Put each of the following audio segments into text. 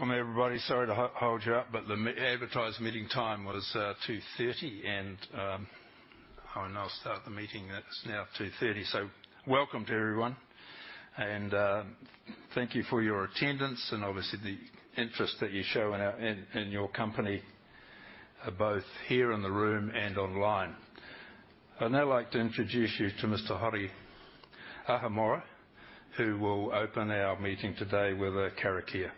Welcome, everybody. Sorry to hold you up. The advertised meeting time was 2:30 P.M. I'll now start the meeting. It's now 2:30 P.M. Welcome to everyone, and thank you for your attendance and obviously the interest that you show in your company, both here in the room and online. I'd now like to introduce you to Mr. Hori Ahomiro, who will open our meeting today with a karakia.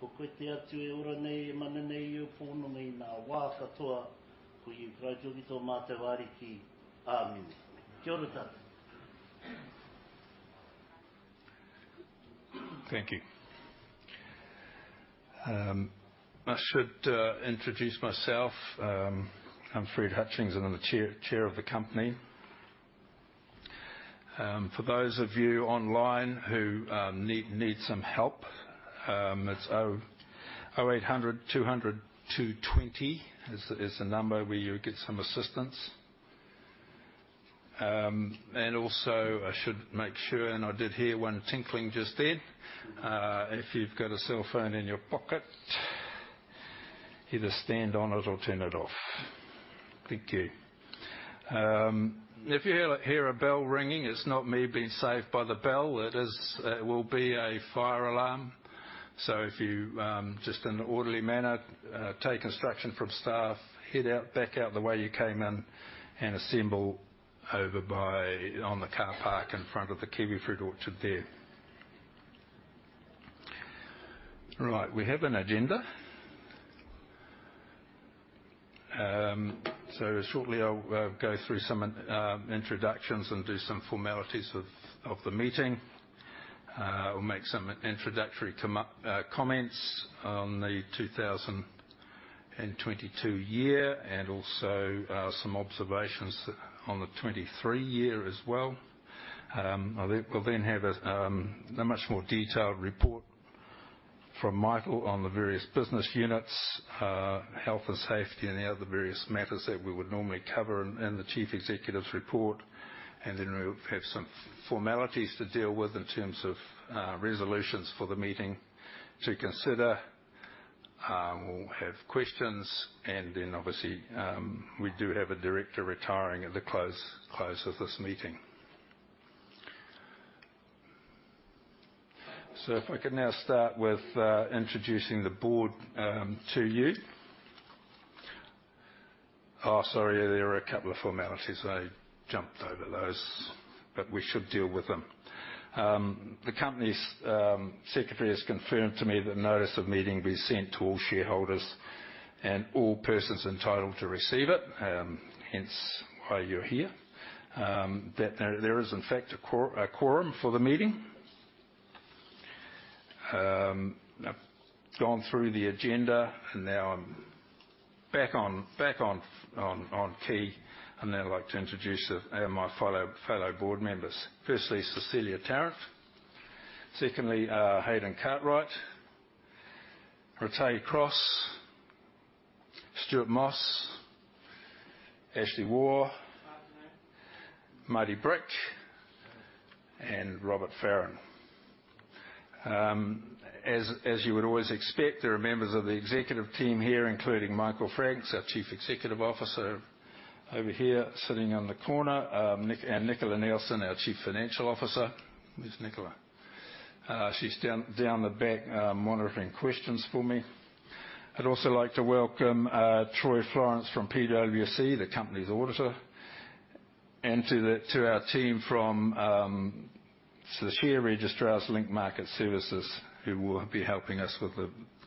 Thank you. I should introduce myself. I'm Fred Hutchings, and I'm the chair of the company. For those of you online who need some help, it's 0800 200 220 is the number where you would get some assistance. Also, I should make sure, and I did hear one tinkling just then. If you've got a cell phone in your pocket, either stand on it or turn it off. Thank you. If you hear a bell ringing, it's not me being saved by the bell. It will be a fire alarm. If you just in an orderly manner, take instruction from staff, head out, back out the way you came in and assemble over by, on the car park in front of the kiwifruit orchard there. Right, we have an agenda. Shortly I'll go through some introductions and do some formalities of the meeting. We'll make some introductory comments on the 2022 year and also some observations on the 2023 year as well. I think we'll then have a much more detailed report from Michael on the various business units, health and safety, and the other various matters that we would normally cover in the chief executive's report. We'll have some formalities to deal with in terms of resolutions for the meeting to consider. We'll have questions, and then obviously, we do have a director retiring at the close of this meeting. If I could now start with introducing the board to you. Sorry, there are a couple of formalities. I jumped over those, but we should deal with them. The company's secretary has confirmed to me that notice of meeting be sent to all shareholders and all persons entitled to receive it, hence why you're here. That there is in fact a quorum for the meeting. I've gone through the agenda, now I'm back on key. Now I'd like to introduce my fellow board members. Firstly, Cecilia Tarrant. Secondly, Hayden Cartwright. Robertata Cross. Stuart Moss. Ashley Waugh. Afternoon. Marty Brick and Robert Farron. As you would always expect, there are members of the executive team here, including Michael Franks, our Chief Executive Officer, over here sitting on the corner. Nicola Neilson, our Chief Financial Officer. Where's Nicola? She's down the back, monitoring questions for me. I'd also like to welcome Troy Florence from PwC, the company's auditor. To our team from the share registrars Link Market Services, who will be helping us with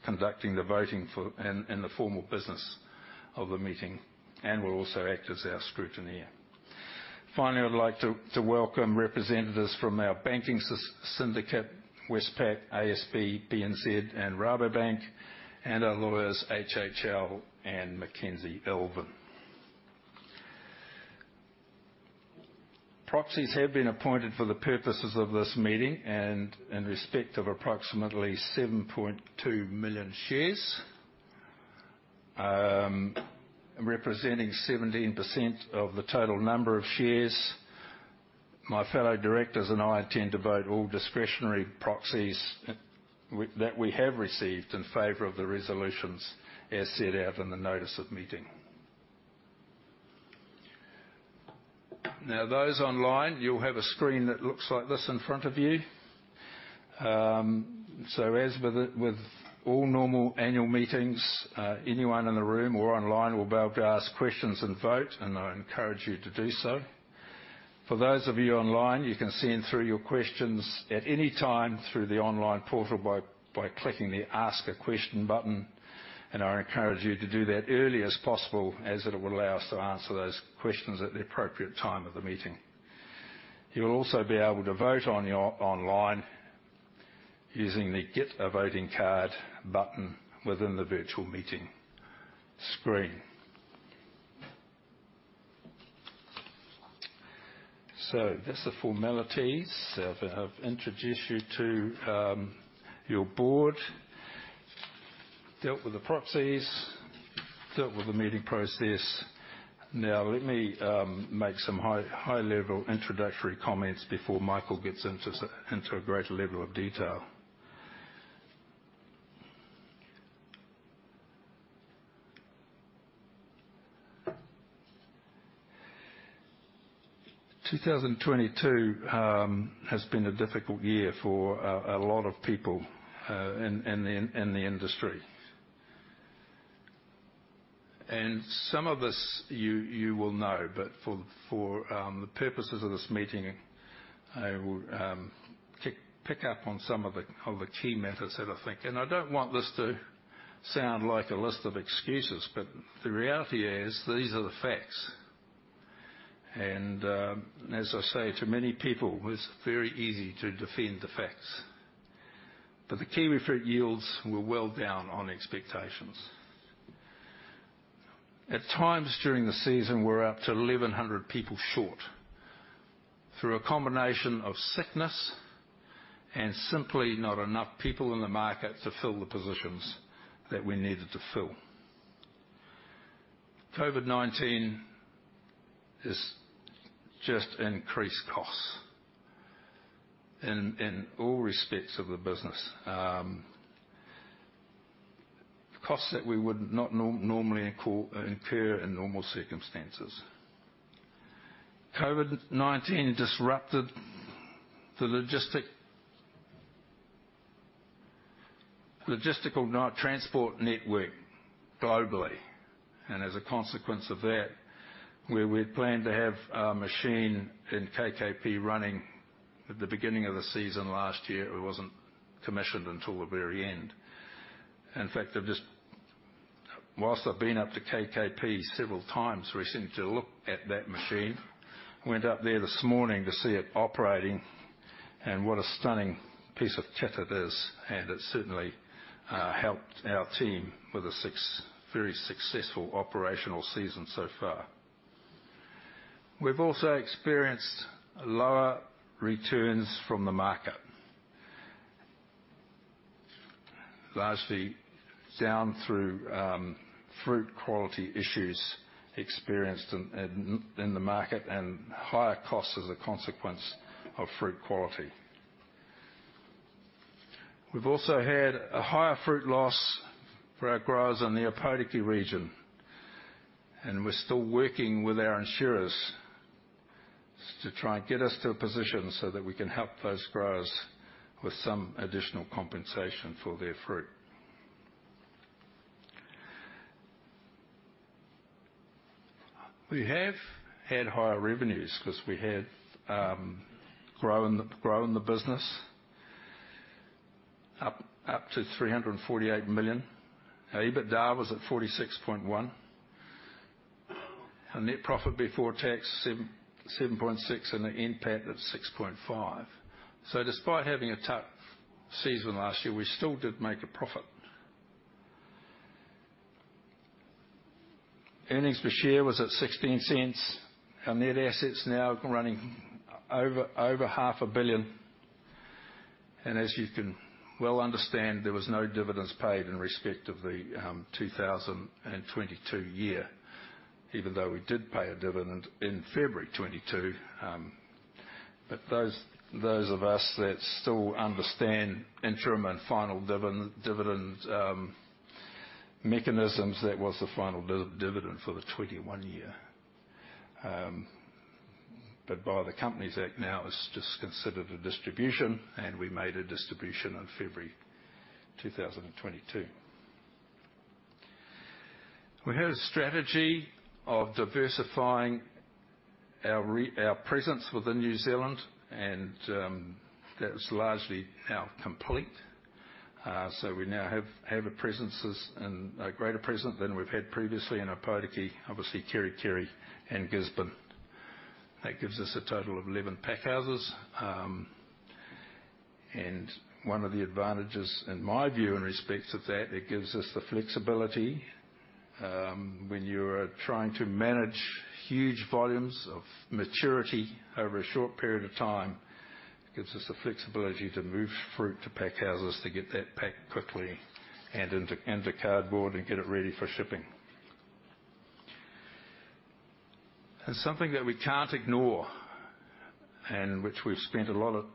conducting the voting for and the formal business of the meeting and will also act as our scrutineer. Finally, I'd like to welcome representatives from our banking syndicate, Westpac, ASB, BNZ, and Rabobank, and our lawyers, HHL and Mackenzie Elvin. Proxies have been appointed for the purposes of this meeting and in respect of approximately 7.2 million shares, representing 17% of the total number of shares. My fellow directors and I intend to vote all discretionary proxies we have received in favor of the resolutions as set out in the notice of meeting. Those online, you'll have a screen that looks like this in front of you. As with all normal annual meetings, anyone in the room or online will be able to ask questions and vote, and I encourage you to do so. For those of you online, you can send through your questions at any time through the online portal by clicking the Ask a Question button, and I encourage you to do that early as possible, as it will allow us to answer those questions at the appropriate time of the meeting. You'll also be able to vote online using the Get a Voting Card button within the virtual meeting screen. So that's the formalities. I've introduced you to your board, dealt with the proxies, dealt with the meeting process. Now, let me make some high level introductory comments before Michael gets into a greater level of detail. 2022 has been a difficult year for a lot of people in the industry. Some of this you will know, but for the purposes of this meeting, I will pick up on some of the, on the key methods that I think. I don't want this to sound like a list of excuses, but the reality is these are the facts. As I say, to many people, it's very easy to defend the facts. The kiwifruit yields were well down on expectations. At times during the season, we're up to 1,100 people short through a combination of sickness and simply not enough people in the market to fill the positions that we needed to fill. COVID-19 has just increased costs in all respects of the business. Costs that we would not normally incur in normal circumstances. COVID-19 disrupted the logistical transport network globally. As a consequence of that, where we had planned to have our machine in KKP running at the beginning of the season last year, it wasn't commissioned until the very end. In fact, whilst I've been up to KKP several times recently to look at that machine, went up there this morning to see it operating, and what a stunning piece of kit it is, and it certainly helped our team with a very successful operational season so far. We've also experienced lower returns from the market. Largely down through fruit quality issues experienced in the market and higher costs as a consequence of fruit quality. We've also had a higher fruit loss for our growers in the Opotiki region, and we're still working with our insurers to try and get us to a position so that we can help those growers with some additional compensation for their fruit. We have had higher revenues because we have grown the business up to 348 million. Our EBITDA was at 46.1 million. Our net profit before tax, 7.6 million, and the NPAT of 6.5 million. Despite having a tough season last year, we still did make a profit. Earnings per share was at 0.16. Our net assets now running over 0.5 billion. As you can well understand, there was no dividends paid in respect of the 2022 year, even though we did pay a dividend in February 2022. Those of us that still understand interim and final dividend mechanisms, that was the final dividend for the 2021 year. By the Companies Act now, it's just considered a distribution, and we made a distribution in February 2022. We have a strategy of diversifying our presence within New Zealand, and that was largely now complete. We now have a presence and a greater presence than we've had previously in Opotiki, obviously Kerikeri and Gisborne. That gives us a total of 11 packhouses. One of the advantages, in my view, in respect to that, it gives us the flexibility when you are trying to manage huge volumes of maturity over a short period of time. It gives us the flexibility to move fruit to pack houses to get that packed quickly and into cardboard and get it ready for shipping. Something that we can't ignore, and which we've spent a lot of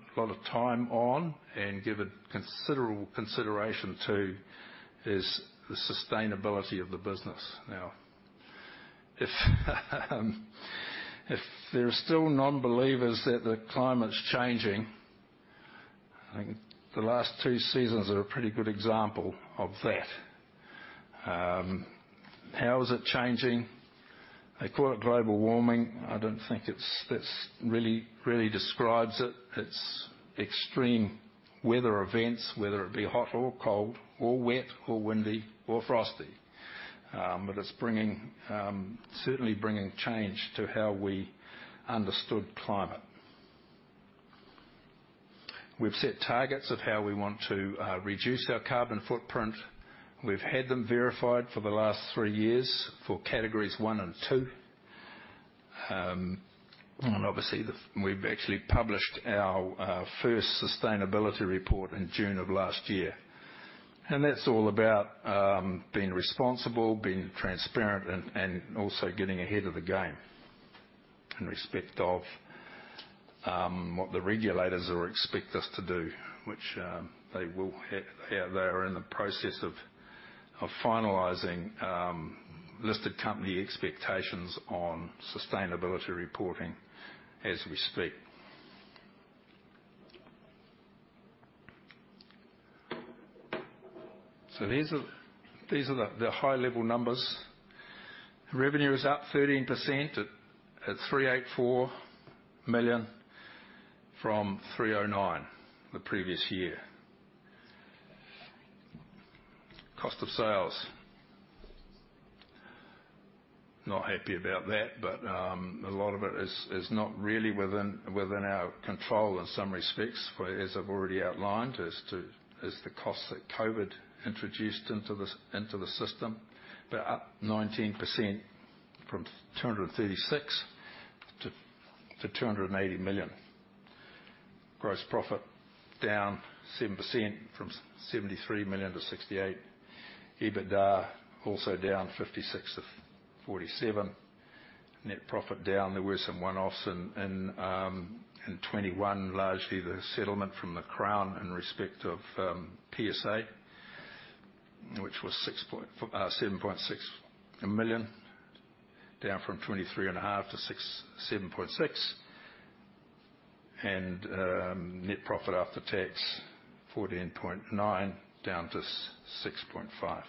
time on and given considerable consideration to, is the sustainability of the business. Now, if there are still non-believers that the climate's changing, I think the last two seasons are a pretty good example of that. How is it changing? They call it global warming. I don't think it's, this really describes it. It's extreme weather events, whether it be hot or cold or wet or windy or frosty. It's bringing, certainly bringing change to how we understood climate. We've set targets of how we want to reduce our carbon footprint. We've had them verified for the last three years for categories one and two. And obviously, We've actually published our first sustainability report in June of last year. That's all about being responsible, being transparent, and also getting ahead of the game in respect of what the regulators expect us to do, which they are in the process of finalizing listed company expectations on sustainability reporting as we speak. These are the high level numbers. Revenue is up 13% at 384 million from 309 million the previous year. Cost of Sales. Not happy about that. A lot of it is not really within our control in some respects, where as I've already outlined, as the cost that COVID introduced into the system. They're up 19% from 236 million to 280 million. Gross profit down 7% from 73 million to 68 million. EBITDA also down 56 million to 47 million. Net profit down. There were some one-offs in 2021, largely the settlement from the Crown in respect of Psa, which was 7.6 million, down from 23.5 million to 7.6 million. Net profit after tax, 14.9 million down to 6.5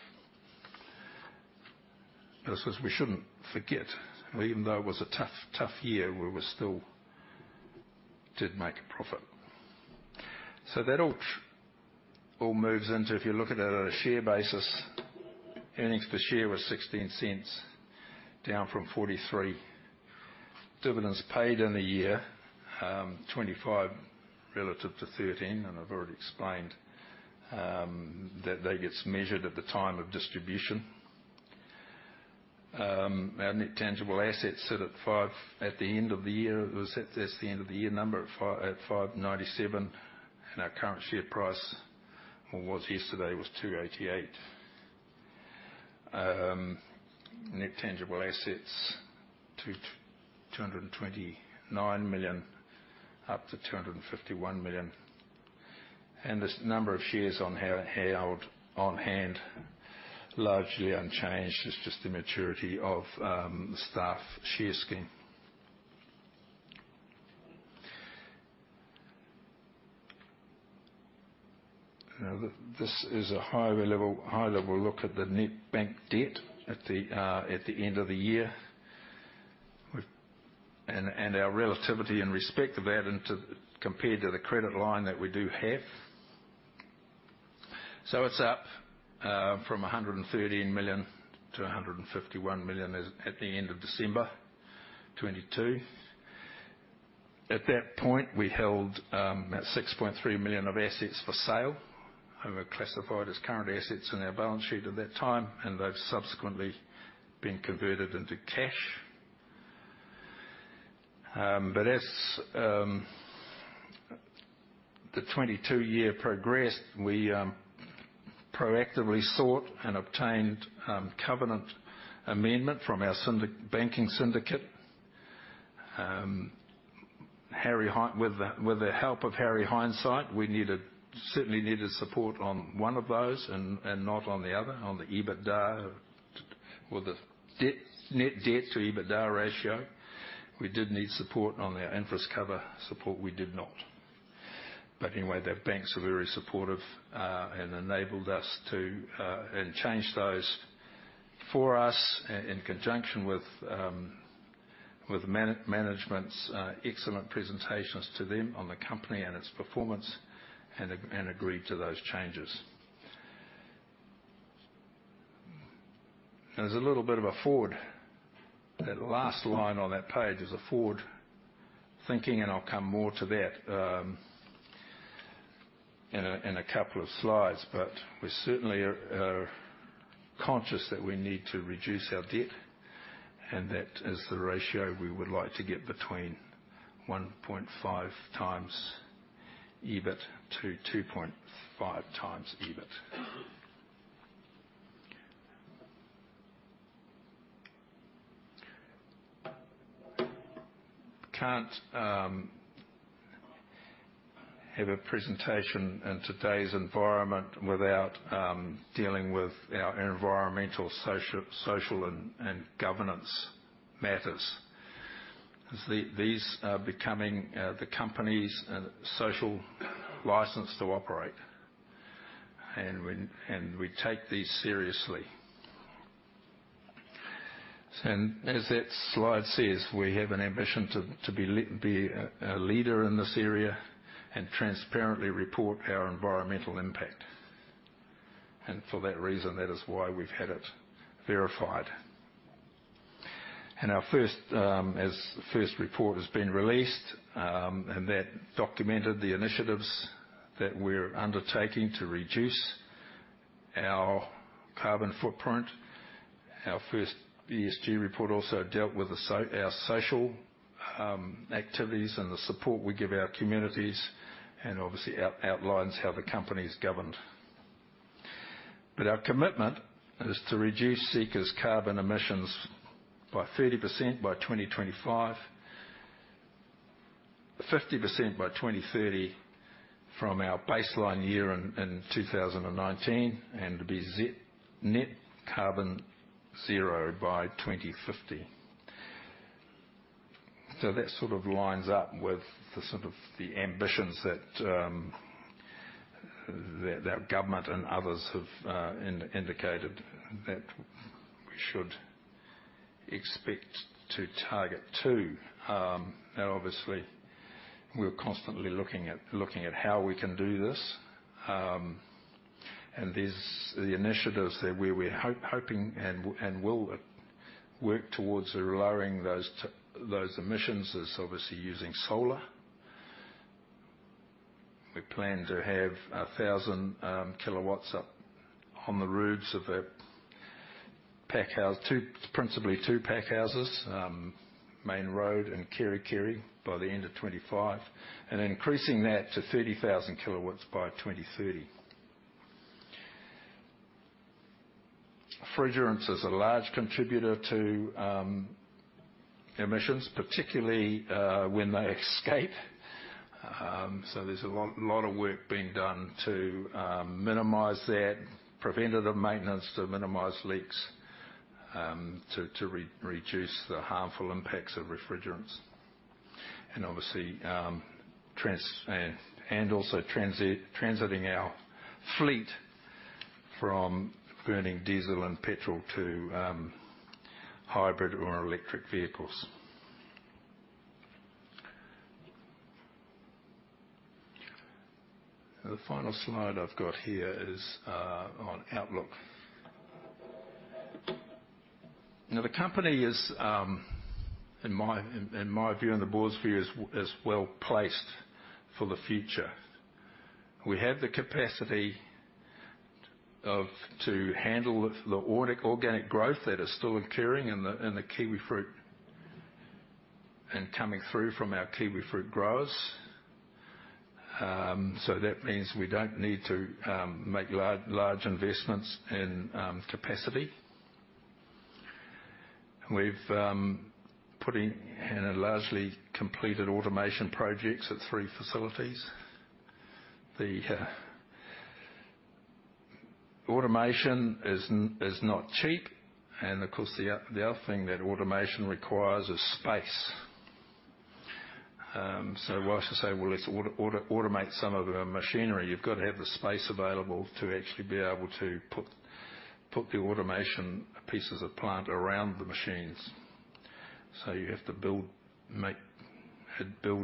million. This was, we shouldn't forget, even though it was a tough year, we did make a profit. That all moves into, if you look at it at a share basis, earnings per share was 0.16, down from 0.43. Dividends paid in the year, 0.25 relative to 0.13. I've already explained that that gets measured at the time of distribution. Our net tangible assets sit at 5 at the end of the year. It was at... That's the end of the year number at 5.97. Our current share price, or was yesterday, was 2.88. Net tangible assets, 229 million up to 251 million. This number of shares on held on hand, largely unchanged. It's just the maturity of the staff share scheme. This is a higher level, high-level look at the net bank debt at the end of the year. We've... And our relativity in respect of that into, compared to the credit line that we do have. It's up from 113 million to 151 million at the end of December 2022. At that point, we held about 6.3 million of assets for sale and were classified as current assets in our balance sheet at that time, and they've subsequently been converted into cash. As the 2022 year progressed, we proactively sought and obtained covenant amendment from our banking syndicate. With the help of hindsight, we needed, certainly needed support on one of those and not on the other. On the EBITDA or the debt, net debt to EBITDA ratio, we did need support. On our interest cover support, we did not. Anyway, the banks were very supportive, and enabled us to, and change those for us in conjunction with management's excellent presentations to them on the company and its performance and agreed to those changes. There's a little bit of a forward... That last line on that page is a forward thinking, and I'll come more to that, in a couple of slides. We certainly are conscious that we need to reduce our debt, and that is the ratio we would like to get between 1.5 times EBIT to 2.5 times EBIT. Can't have a presentation in today's environment without dealing with our environmental, social and governance matters. These are becoming the company's social license to operate, we take these seriously. As that slide says, we have an ambition to be a leader in this area and transparently report our environmental impact. For that reason, that is why we've had it verified. Our first report has been released, and that documented the initiatives that we're undertaking to reduce our carbon footprint. Our first ESG report also dealt with our social activities and the support we give our communities, and obviously outlines how the company's governed. Our commitment is to reduce Seeka's carbon emissions by 30% by 2025, 50% by 2030 from our baseline year in 2019, and to be net carbon zero by 2050. That sort of lines up with the sort of the ambitions that that government and others have indicated that we should expect to target, too. Now obviously, we're constantly looking at how we can do this, and these, the initiatives that we're hoping and will work towards lowering those emissions is obviously using solar. We plan to have 1,000 kW up on the roofs of a pack house, principally two pack houses, Main Road and Kerikeri by the end of 2025, and increasing that to 30,000 kW by 2030. Refrigerants is a large contributor to emissions, particularly when they escape. There's a lot of work being done to minimize that. Preventative maintenance to minimize leaks, to reduce the harmful impacts of refrigerants. Obviously, and also transiting our fleet from burning diesel and petrol to hybrid or electric vehicles. The final slide I've got here is on outlook. The company is in my view and the board's view, is well placed for the future. We have the capacity to handle the organic growth that is still occurring in the kiwifruit and coming through from our kiwifruit growers. That means we don't need to make large investments in capacity. We've put in a largely completed automation projects at 3 facilities. The automation is not cheap and of course the other thing that automation requires is space. Whilst you say, "Well, let's automate some of our machinery," you've got to have the space available to actually be able to put the automation pieces of plant around the machines. You have to build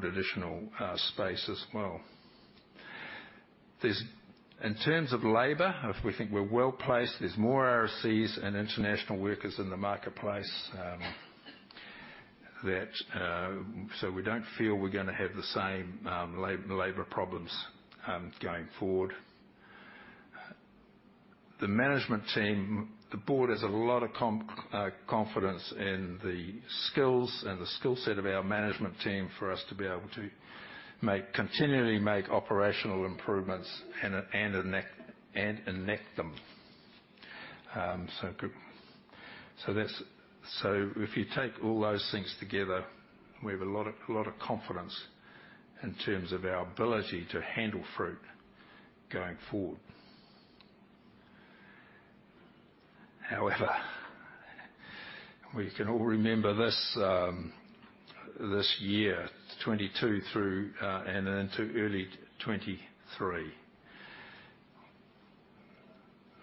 additional space as well. In terms of labor, if we think we're well-placed, there's more RSEs and international workers in the marketplace, that so we don't feel we're gonna have the same labor problems going forward. The management team, the board has a lot of confidence in the skills and the skill set of our management team for us to be able to make, continually make operational improvements and enact them. That's. If you take all those things together, we have a lot of confidence in terms of our ability to handle fruit going forward. However, we can all remember this this year, 2022 through and into early 2023.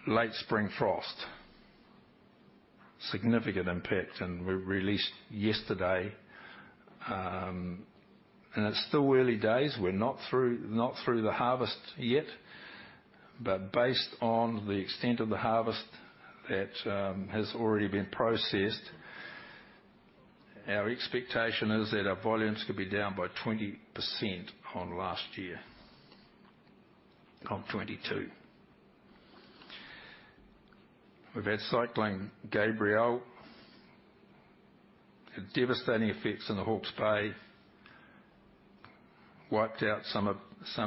Late spring frost, significant impact, and we released yesterday. And it's still early days. We're not through the harvest yet. Based on the extent of the harvest that has already been processed, our expectation is that our volumes could be down by 20% on last year, on 2022. We've had Cyclone Gabrielle. Had devastating effects in the Hawke's Bay. Wiped out some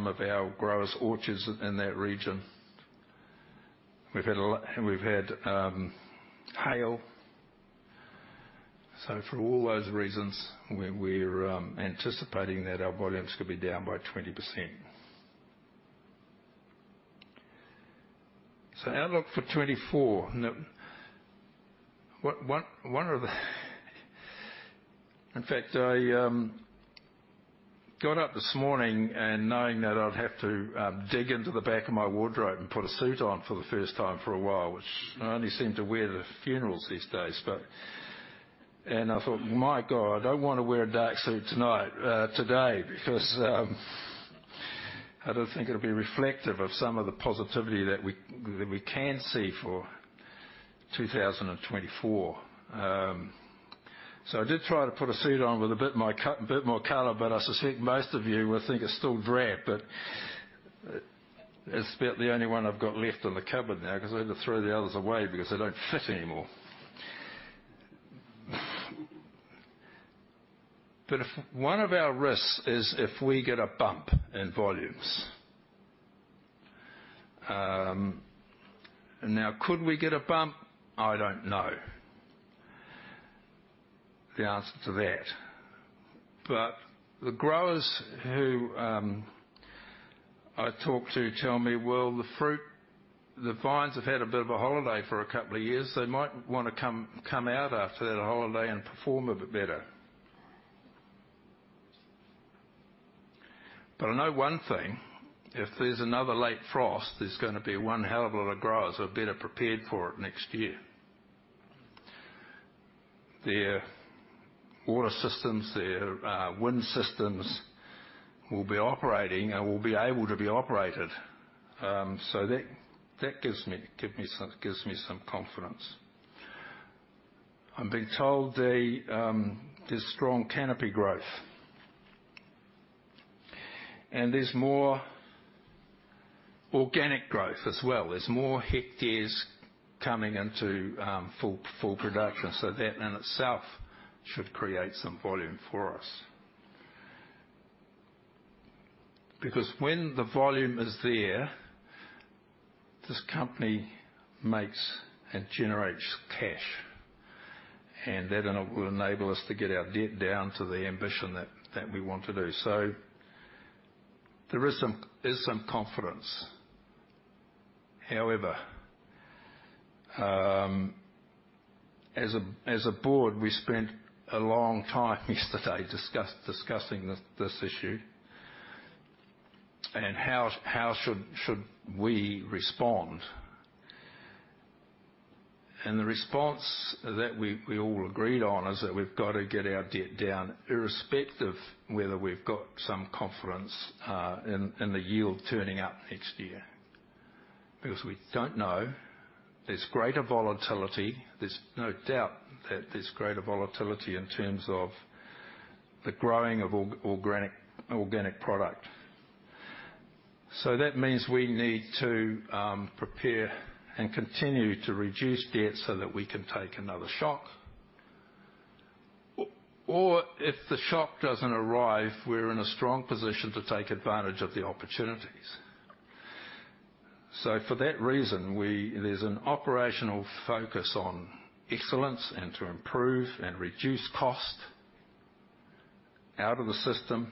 of our growers' orchards in that region. We've had a lot. And we've had hail. For all those reasons, we're anticipating that our volumes could be down by 20%. Outlook for 2024. One of the... In fact, I got up this morning and knowing that I'd have to dig into the back of my wardrobe and put a suit on for the first time for a while, which I only seem to wear to funerals these days, but. I thought, "My God, I don't wanna wear a dark suit tonight, today." I don't think it'll be reflective of some of the positivity that we can see for 2024. I did try to put a suit on with a bit more color, but I suspect most of you will think it's still drab. It's about the only one I've got left in the cupboard now, because I had to throw the others away because they don't fit anymore. If... One of our risks is if we get a bump in volumes. Now could we get a bump? I don't know the answer to that. The growers who I talk to tell me, "Well, the fruit, the vines have had a bit of a holiday for two years. They might wanna come out after that holiday and perform a bit better." I know one thing, if there's another late frost, there's gonna be one hell of a lot of growers who are better prepared for it next year. Their water systems, their wind systems will be operating and will be able to be operated. That gives me some confidence. I'm being told the, there's strong canopy growth. There's more organic growth as well. There's moreha coming into full production. That in itself should create some volume for us. When the volume is there, this company makes and generates cash. That will enable us to get our debt down to the ambition that we want to do. There is some confidence. However, as a board, we spent a long time yesterday discussing this issue. How should we respond? The response that we all agreed on is that we've got to get our debt down irrespective whether we've got some confidence in the yield turning up next year. We don't know. There's greater volatility. There's no doubt that there's greater volatility in terms of the growing of organic product. That means we need to prepare and continue to reduce debt so that we can take another shock. If the shock doesn't arrive, we're in a strong position to take advantage of the opportunities. For that reason, we. There's an operational focus on excellence and to improve and reduce cost out of the system.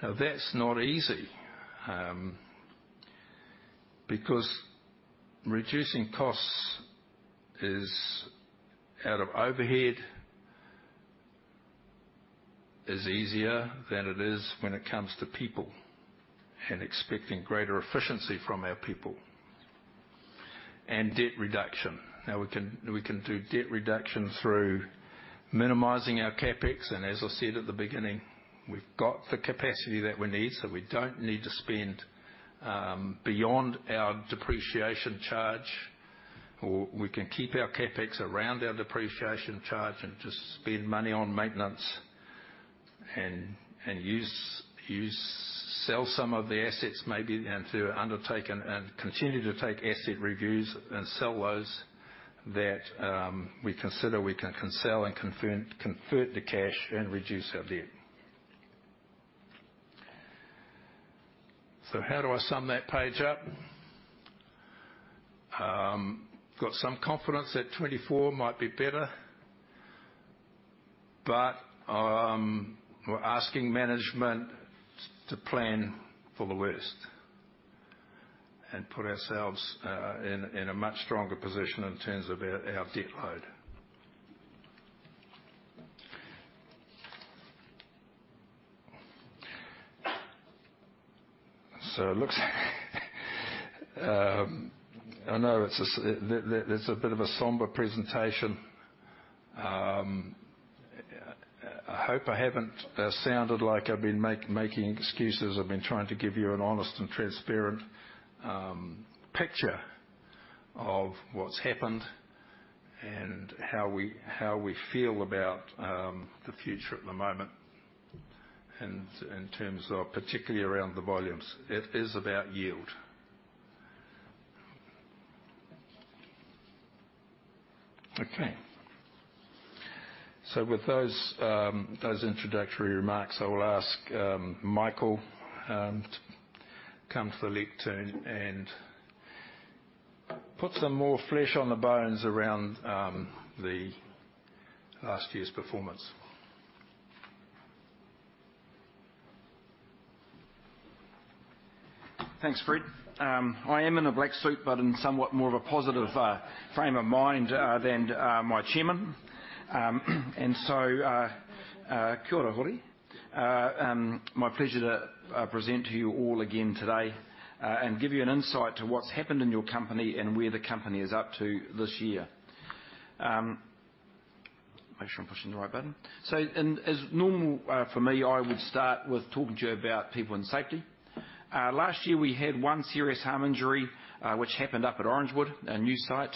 That's not easy, because reducing costs is out of overhead, is easier than it is when it comes to people and expecting greater efficiency from our people and debt reduction. We can do debt reduction through minimizing our CapEx. As I said at the beginning, we've got the capacity that we need, so we don't need to spend beyond our depreciation charge. We can keep our CapEx around our depreciation charge and just spend money on maintenance and use. Sell some of the assets maybe and to undertake and continue to take asset reviews and sell those that we consider we can sell and convert to cash and reduce our debt. How do I sum that page up? Got some confidence that 24 might be better. We're asking management to plan for the worst and put ourselves in a much stronger position in terms of our debt load. It looks I know it's a bit of a somber presentation. I hope I haven't sounded like I've been making excuses. I've been trying to give you an honest and transparent picture of what's happened and how we, how we feel about the future at the moment in terms of particularly around the volumes. It is about yield. Okay. With those introductory remarks, I will ask Michael to come to the lectern and put some more flesh on the bones around the last year's performance. Thanks, Fred. I am in a black suit, but in somewhat more of a positive frame of mind than my chairman. Kia ora koutou. My pleasure to present to you all again today and give you an insight to what's happened in your company and where the company is up to this year. Make sure I'm pushing the right button. As normal, for me, I would start with talking to you about people and safety. Last year we had one serious harm injury, which happened up at Orangewood, a new site.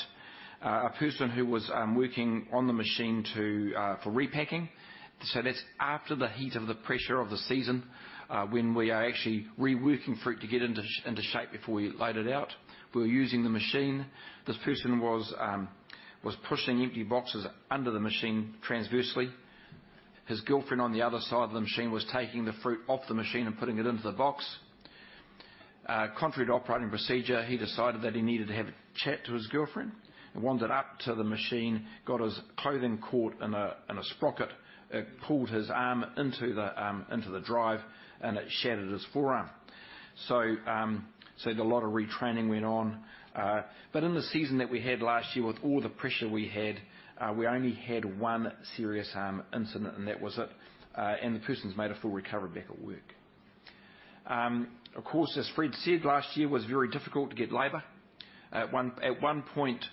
A person who was working on the machine to for repacking. That's after the heat of the pressure of the season, when we are actually reworking fruit to get into shape before we load it out. We were using the machine. This person was pushing empty boxes under the machine transversely. His girlfriend on the other side of the machine was taking the fruit off the machine and putting it into the box. Contrary to operating procedure, he decided that he needed to have a chat to his girlfriend and wandered up to the machine, got his clothing caught in a sprocket. It pulled his arm into the drive, and it shattered his forearm. So a lot of retraining went on. In the season that we had last year, with all the pressure we had, we only had 1 serious arm incident, and that was it. The person's made a full recovery, back at work. Of course, as Fred said, last year was very difficult to get labor. At one point,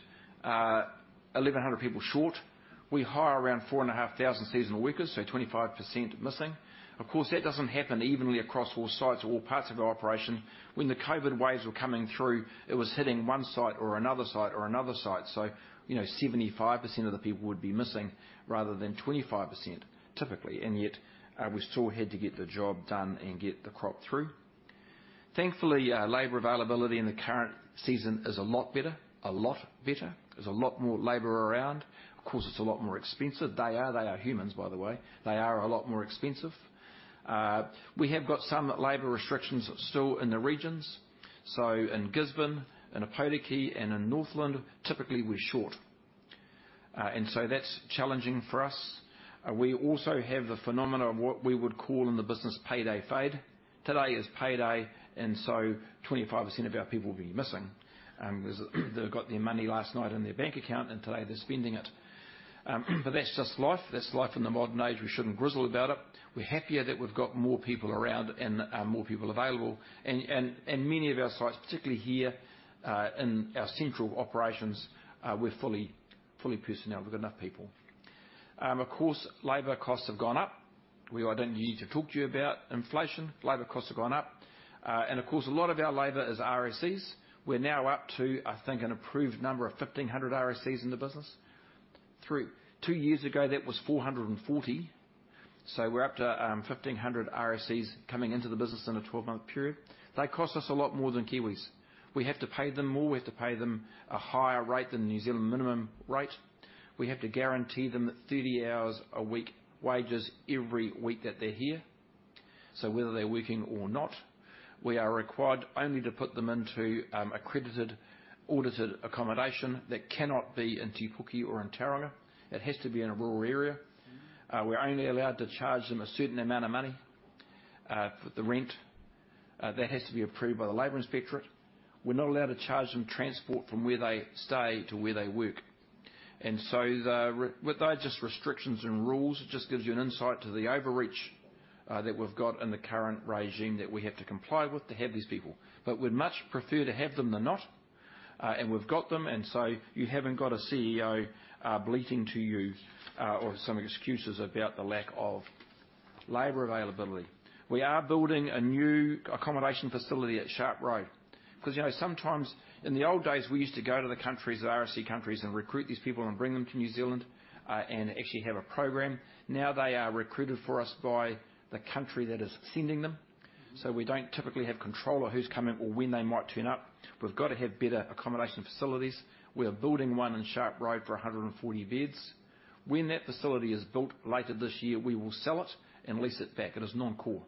1,100 people short. We hire around 4,500 seasonal workers, so 25% missing. Of course, that doesn't happen evenly across all sites or all parts of our operation. When the COVID waves were coming through, it was hitting one site or another site or another site. You know, 75% of the people would be missing rather than 25% typically. Yet, we still had to get the job done and get the crop through. Thankfully, labor availability in the current season is a lot better. There's a lot more labor around. Of course, it's a lot more expensive. They are. They are humans, by the way. They are a lot more expensive. We have got some labor restrictions still in the regions. In Gisborne, in Aotearoa, and in Northland, typically, we're short. That's challenging for us. We also have the phenomena of what we would call in the business payday fade. Today is payday, 25% of our people will be missing, 'cause they got their money last night in their bank account and today they're spending it. That's just life. That's life in the modern age. We shouldn't grizzle about it. We're happier that we've got more people around and more people available. Many of our sites, particularly here, in our central operations, we're fully personnel with enough people. Of course, labor costs have gone up. I don't need to talk to you about inflation. Labor costs have gone up. Of course, a lot of our labor is RSEs. We're now up to, I think, an approved number of 1,500 RSEs in the business. Two years ago, that was 440. We're up to 1,500 RSEs coming into the business in a 12-month period. They cost us a lot more than Kiwis. We have to pay them more. We have to pay them a higher rate than the New Zealand minimum rate. We have to guarantee them 30 hours a week wages every week that they're here. Whether they're working or not. We are required only to put them into accredited, audited accommodation that cannot be in Te Puke or in Tauranga. It has to be in a rural area. We're only allowed to charge them a certain amount of money for the rent. That has to be approved by the labor inspectorate. We're not allowed to charge them transport from where they stay to where they work. With those restrictions and rules, it just gives you an insight to the overreach that we've got in the current regime that we have to comply with to have these people. We'd much prefer to have them than not. We've got them, you haven't got a CEO bleating to you or some excuses about the lack of labor availability. We are building a new accommodation facility at Sharp Road. Because, you know, sometimes in the old days, we used to go to the countries, the RSE countries, and recruit these people and bring them to New Zealand and actually have a program. They are recruited for us by the country that is sending them. We don't typically have control of who's coming or when they might turn up. We've got to have better accommodation facilities. We are building one in Sharp Road for 140 beds. When that facility is built later this year, we will sell it and lease it back. It is non-core.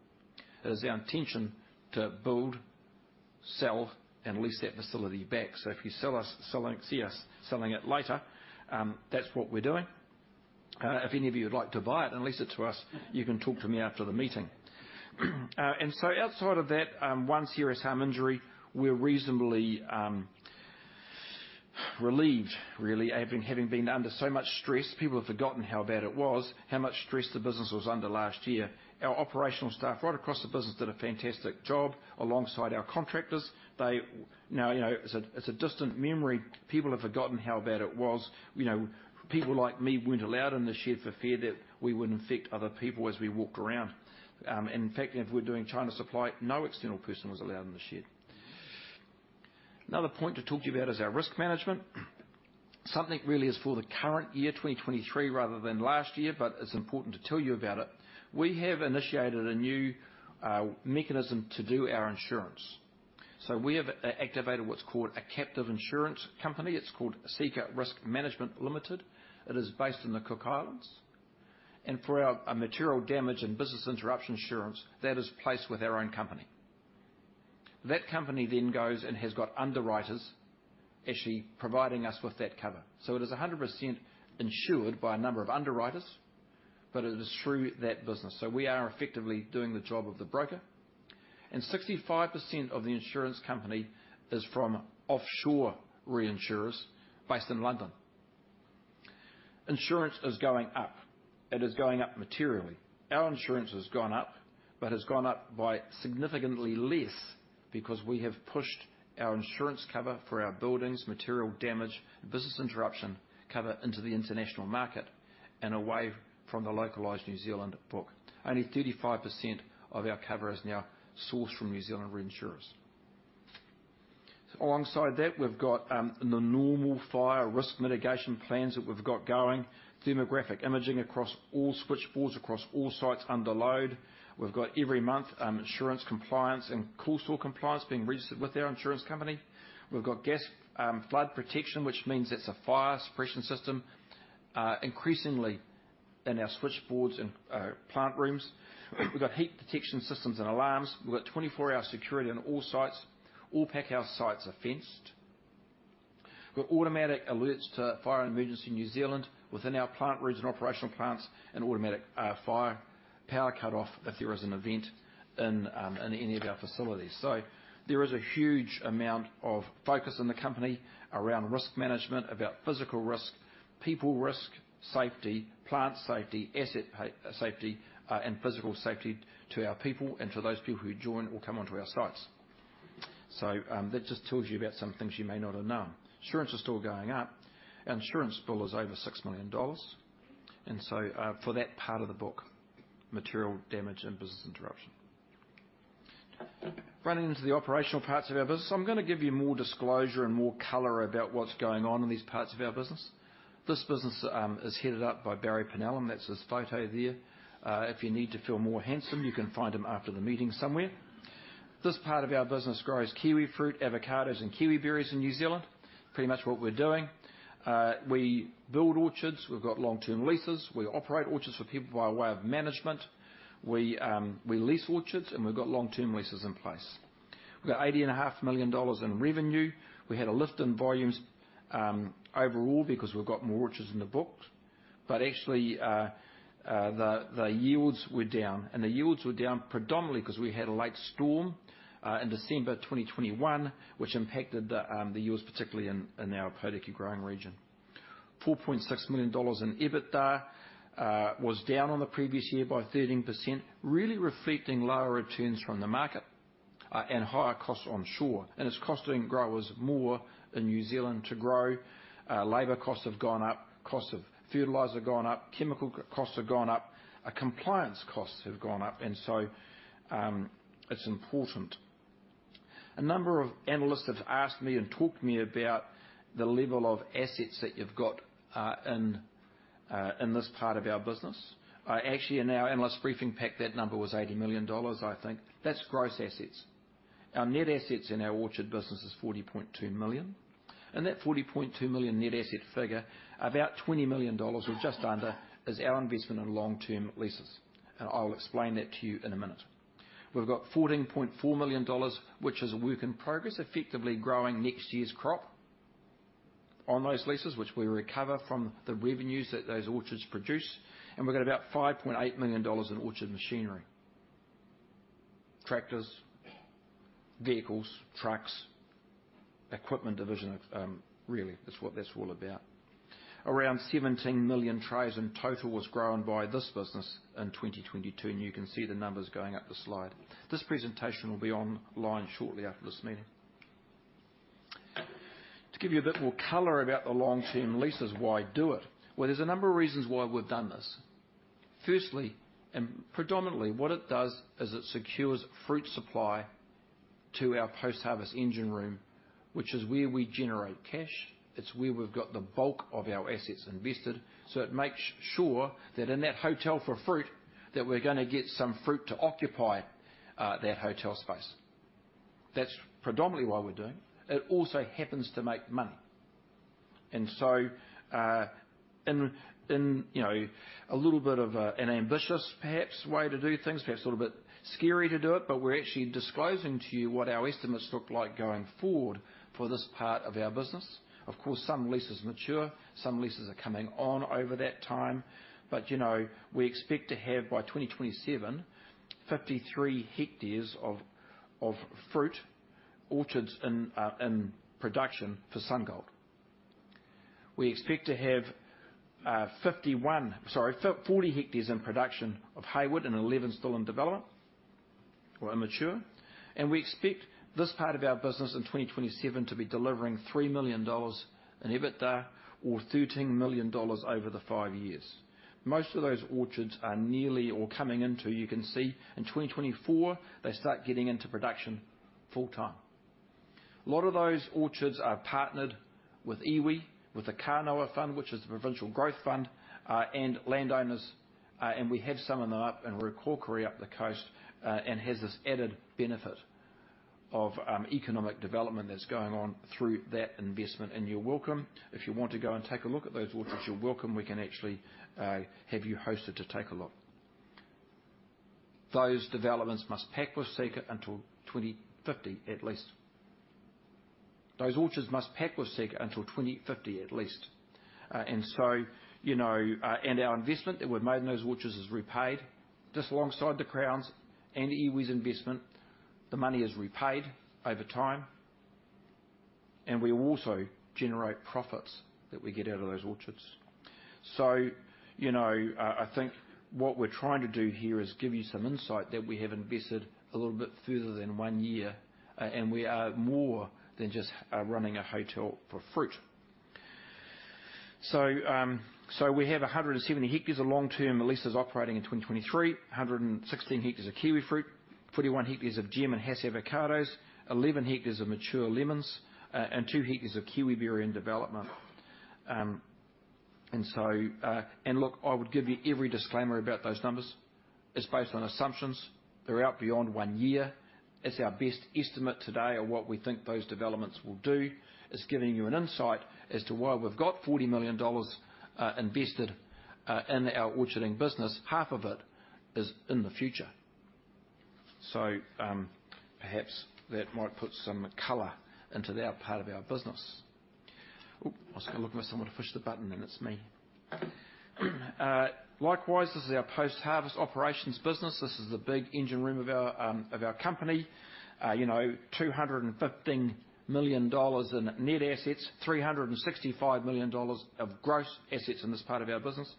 It is our intention to build, sell, and lease that facility back. If you see us selling it later, that's what we're doing. If any of you would like to buy it and lease it to us, you can talk to me after the meeting. Outside of that, one serious harm injury, we're reasonably relieved, really, having been under so much stress. People have forgotten how bad it was, how much stress the business was under last year. Our operational staff right across the business did a fantastic job alongside our contractors. Now, you know, it's a distant memory. People have forgotten how bad it was. You know, people like me weren't allowed in the shed for fear that we would infect other people as we walked around. In fact, if we're doing China supply, no external person was allowed in the shed. Another point to talk to you about is our risk management. Something really is for the current year, 2023, rather than last year, but it's important to tell you about it. We have initiated a new mechanism to do our insurance. We have activated what's called a captive insurance company. It's called Seeka Risk Management Limited. It is based in the Cook Islands. For our material damage and business interruption insurance, that is placed with our own company. That company then goes and has got underwriters actually providing us with that cover. It is 100% insured by a number of underwriters, but it is through that business. We are effectively doing the job of the broker. 65% of the insurance company is from offshore reinsurers based in London. Insurance is going up. It is going up materially. Our insurance has gone up, but has gone up by significantly less because we have pushed our insurance cover for our buildings, material damage, business interruption cover into the international market and away from the localized New Zealand book. Only 35% of our cover is now sourced from New Zealand reinsurers. Alongside that, we've got the normal fire risk mitigation plans that we've got going. Thermographic imaging across all switchboards, across all sites under load. We've got every month, insurance compliance and cool store compliance being registered with our insurance company. We've got gas, flood protection, which means it's a fire suppression system, increasingly in our switchboards and plant rooms. We've got heat detection systems and alarms. We've got 24-hour security on all sites. All packhouse sites are fenced. We've got automatic alerts to Fire and Emergency New Zealand within our plant rooms and operational plants and automatic fire power cut-off if there is an event in any of our facilities. There is a huge amount of focus in the company around risk management, about physical risk, people risk, safety, plant safety, asset safety, and physical safety to our people and to those people who join or come onto our sites. That just tells you about some things you may not have known. Insurance is still going up. Our insurance bill is over 6 million dollars. For that part of the book, material damage and business interruption. Running into the operational parts of our business, I'm gonna give you more disclosure and more color about what's going on in these parts of our business. This business is headed up by Barry Pennell, and that's his photo there. If you need to feel more handsome, you can find him after the meeting somewhere. This part of our business grows kiwifruit, avocados, and kiwiberries in New Zealand. Pretty much what we're doing. We build orchards. We've got long-term leases. We operate orchards for people by way of management. We lease orchards, and we've got long-term leases in place. We got eighty and a half million dollars in revenue. We had a lift in volumes overall because we've got more orchards in the books. But actually, the yields were down, and the yields were down predominantly because we had a late storm in December 2021, which impacted the yields, particularly in ourPaengaroa growing region. $4.6 million in EBITDA was down on the previous year by 13%, really reflecting lower returns from the market and higher costs onshore. It's costing growers more in New Zealand to grow. Labor costs have gone up, costs of fertilizer have gone up, chemical costs have gone up, compliance costs have gone up, it's important. A number of analysts have asked me and talked to me about the level of assets that you've got in this part of our business. Actually, in our analyst briefing pack, that number was $80 million, I think. That's gross assets. Our net assets in our orchard business is $40.2 million. In that $40.2 million net asset figure, about $20 million or just under is our investment in long-term leases. I'll explain that to you in a minute. We've got $14.4 million, which is a work in progress, effectively growing next year's crop on those leases, which we recover from the revenues that those orchards produce. We've got about $5.8 million in orchard machinery. Tractors, vehicles, trucks, equipment division, really is what that's all about. Around 17 million trays in total was grown by this business in 2022, and you can see the numbers going up the slide. This presentation will be online shortly after this meeting. To give you a bit more color about the long-term leases, why do it? There's a number of reasons why we've done this. Firstly, and predominantly, what it does is it secures fruit supply to our post-harvest engine room, which is where we generate cash. It's where we've got the bulk of our assets invested. It makes sure that in that hotel for fruit, that we're gonna get some fruit to occupy that hotel space. That's predominantly why we're doing it. It also happens to make money. In, you know, a little bit of an ambitious, perhaps, way to do things, perhaps a little bit scary to do it, but we're actually disclosing to you what our estimates look like going forward for this part of our business. Of course, some leases mature, some leases are coming on over that time. You know, we expect to have by 2027, 53ha of fruit orchards in production for SunGold. We expect to have 40ha in production of Hayward and 11 still in development or immature. We expect this part of our business in 2027 to be delivering 3 million dollars in EBITDA or 13 million dollars over the five years. Most of those orchards are nearly or coming into, you can see in 2024, they start getting into production full time. A lot of those orchards are partnered with iwi, with the Kānoa fund, which is the Provincial Growth Fund, and landowners. We have some of them up in Raukokore up the coast, and has this added benefit of economic development that's going on through that investment. You're welcome. If you want to go and take a look at those orchards, you're welcome. We can actually have you hosted to take a look. Those developments must pack with Seeka until 2050, at least. Those orchards must pack with Seeka until 2050, at least. You know, and our investment that we've made in those orchards is repaid just alongside the Crown's and iwi's investment. The money is repaid over time, and we also generate profits that we get out of those orchards. You know, I think what we're trying to do here is give you some insight that we have invested a little bit further than one year, and we are more than just running a hotel for fruit. We have 170ha of long-term leases operating in 2023, 116ha of kiwifruit, 41ha of GEM and Hass avocados, 11 ha of mature lemons, and 2 ha of kiwiberry in development. Look, I would give you every disclaimer about those numbers. It's based on assumptions. They're out beyond one year. It's our best estimate today of what we think those developments will do. It's giving you an insight as to why we've got 40 million dollars invested in our orcharding business. Half of it is in the future. Perhaps that might put some color into that part of our business. I was looking for someone to push the button, and it's me. Likewise, this is our post-harvest operations business. This is the big engine room of our company. You know, 215 million dollars in net assets, 365 million dollars of gross assets in this part of our business.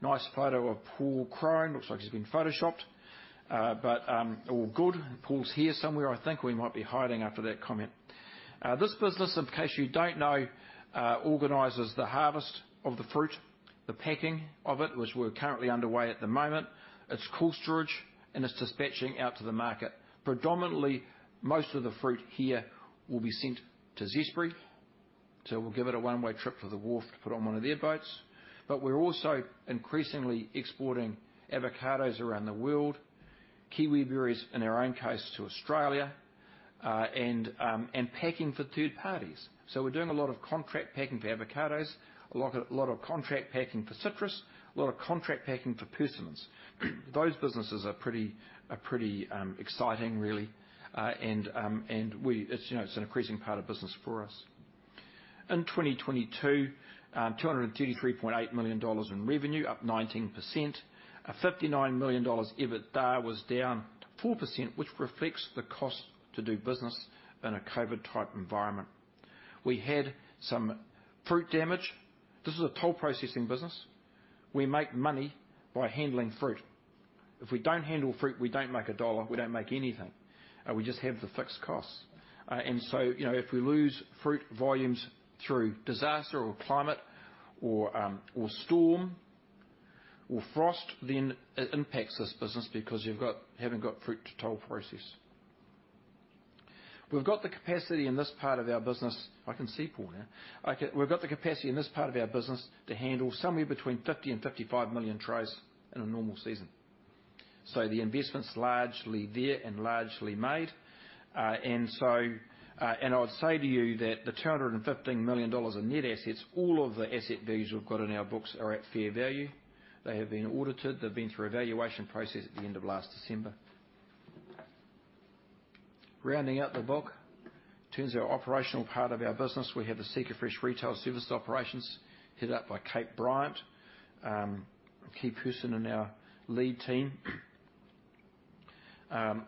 Nice photo of Paul Kroon. Looks like he's been photoshopped. All good. Paul's here somewhere, I think. We might be hiding after that comment. This business, in case you don't know, organizes the harvest of the fruit, the packing of it, which we're currently underway at the moment. It's cool storage, it's dispatching out to the market. Predominantly, most of the fruit here will be sent to Zespri. We'll give it a one-way trip to the wharf to put on one of their boats. We're also increasingly exporting avocados around the world, kiwiberries in our own case to Australia, and packing for third parties. We're doing a lot of contract packing for avocados, a lot of contract packing for citrus, a lot of contract packing for persimmons. Those businesses are pretty exciting really. And it's, you know, it's an increasing part of business for us. In 2022, $233.8 million in revenue, up 19%. $59 million EBITDA was down 4%, which reflects the cost to do business in a COVID-type environment. We had some fruit damage. This is a toll processing business. We make money by handling fruit. If we don't handle fruit, we don't make a dollar. We don't make anything. We just have the fixed costs. You know, if we lose fruit volumes through disaster or climate or storm, or frost, then it impacts this business because haven't got fruit to toll process. We've got the capacity in this part of our business. I can see Paul now. We've got the capacity in this part of our business to handle somewhere between 50 and 55 million trays in a normal season. The investment's largely there and largely made. I'd say to you that the $215 million in net assets, all of the asset values we've got in our books are at fair value. They have been audited. They've been through a valuation process at the end of last December. Rounding out the book, in terms of our operational part of our business, we have the SeekaFresh Retail Services Operations, headed up by Kate Bryant, a key person in our lead team.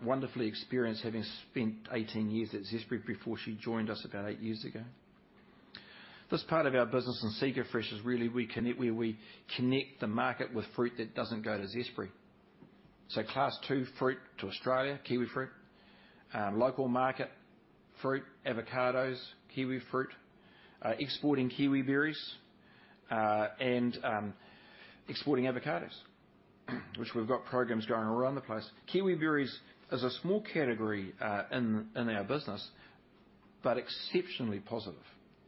Wonderfully experienced, having spent 18 years at Zespri before she joined us about 8 years ago. This part of our business in SeekaFresh is really where we connect the market with fruit that doesn't go to Zespri. Class Two fruit to Australia, kiwifruit, local market fruit, avocados, kiwifruit, exporting kiwiberries, and exporting avocados, which we've got programs going all around the place. Kiwiberries is a small category in our business, but exceptionally positive.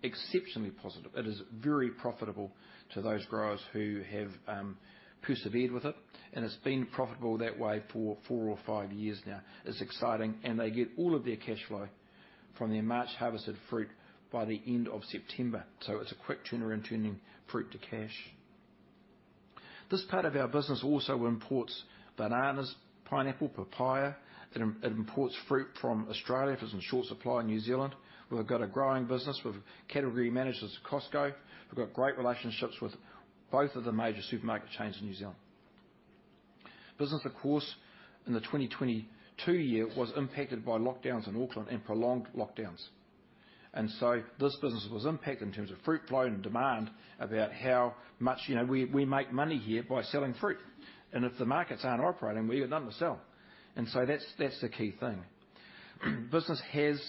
Exceptionally positive. It is very profitable to those growers who have persevered with it, and it's been profitable that way for four or five years now. It's exciting, and they get all of their cash flow from their March-harvested fruit by the end of September. It's a quick turnaround turning fruit to cash. This part of our business also imports bananas, pineapple, papaya. It imports fruit from Australia if it's in short supply in New Zealand. We've got a growing business with category managers at Costco. We've got great relationships with both of the major supermarket chains in New Zealand. Business, of course, in the 2022 year was impacted by lockdowns in Auckland and prolonged lockdowns. This business was impacted in terms of fruit flow and demand about how much, you know, we make money here by selling fruit. If the markets aren't operating, we've got nothing to sell. That's the key thing. Business has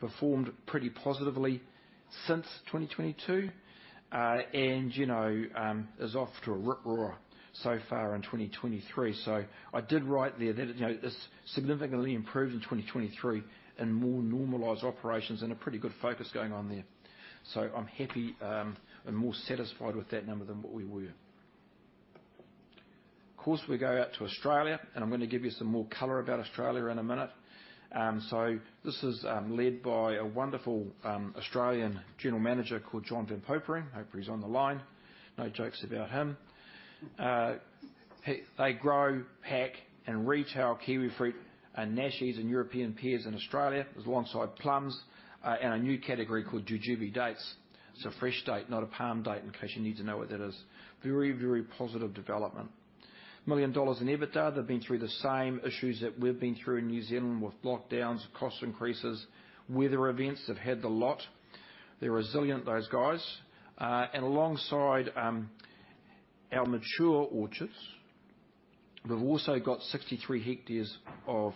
performed pretty positively since 2022. And, you know, is off to a rip roar so far in 2023. I did write there that, you know, it's significantly improved in 2023 and more normalized operations and a pretty good focus going on there. I'm happy and more satisfied with that number than what we were. Of course, we go out to Australia. I'm gonna give you some more color about Australia in a minute. This is led by a wonderful Australian general manager called Jon van Popering. Hopefully, he's on the line. No jokes about him. They grow, pack, and retail kiwifruit, nashis, and European pears in Australia, alongside plums, and a new category called jujube dates. It's a fresh date, not a palm date, in case you need to know what that is. Very, very positive development. $1 million in EBITDA. They've been through the same issues that we've been through in New Zealand with lockdowns, cost increases, weather events. They've had the lot. They're resilient, those guys. Alongside our mature orchards, we've also got 63ha of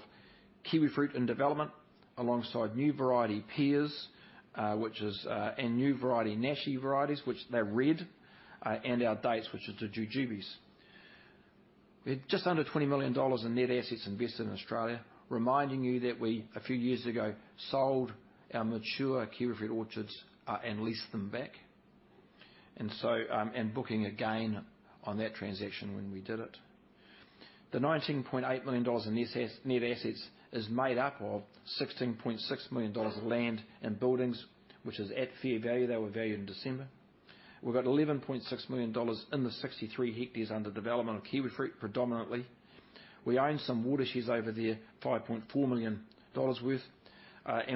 kiwifruit in development, alongside new variety pears, which is, and new variety nashi varieties, which they're red, and our dates, which is the jujubes. We have just under 20 million dollars in net assets invested in Australia, reminding you that we, a few years ago, sold our mature kiwifruit orchards and leased them back. Booking a gain on that transaction when we did it. The 19.8 million dollars in net assets is made up of 16.6 million dollars of land and buildings, which is at fair value. They were valued in December. We've got 11.6 million dollars in the 63ha under development of kiwifruit, predominantly. We own some watersheds over there, 5.4 million dollars worth.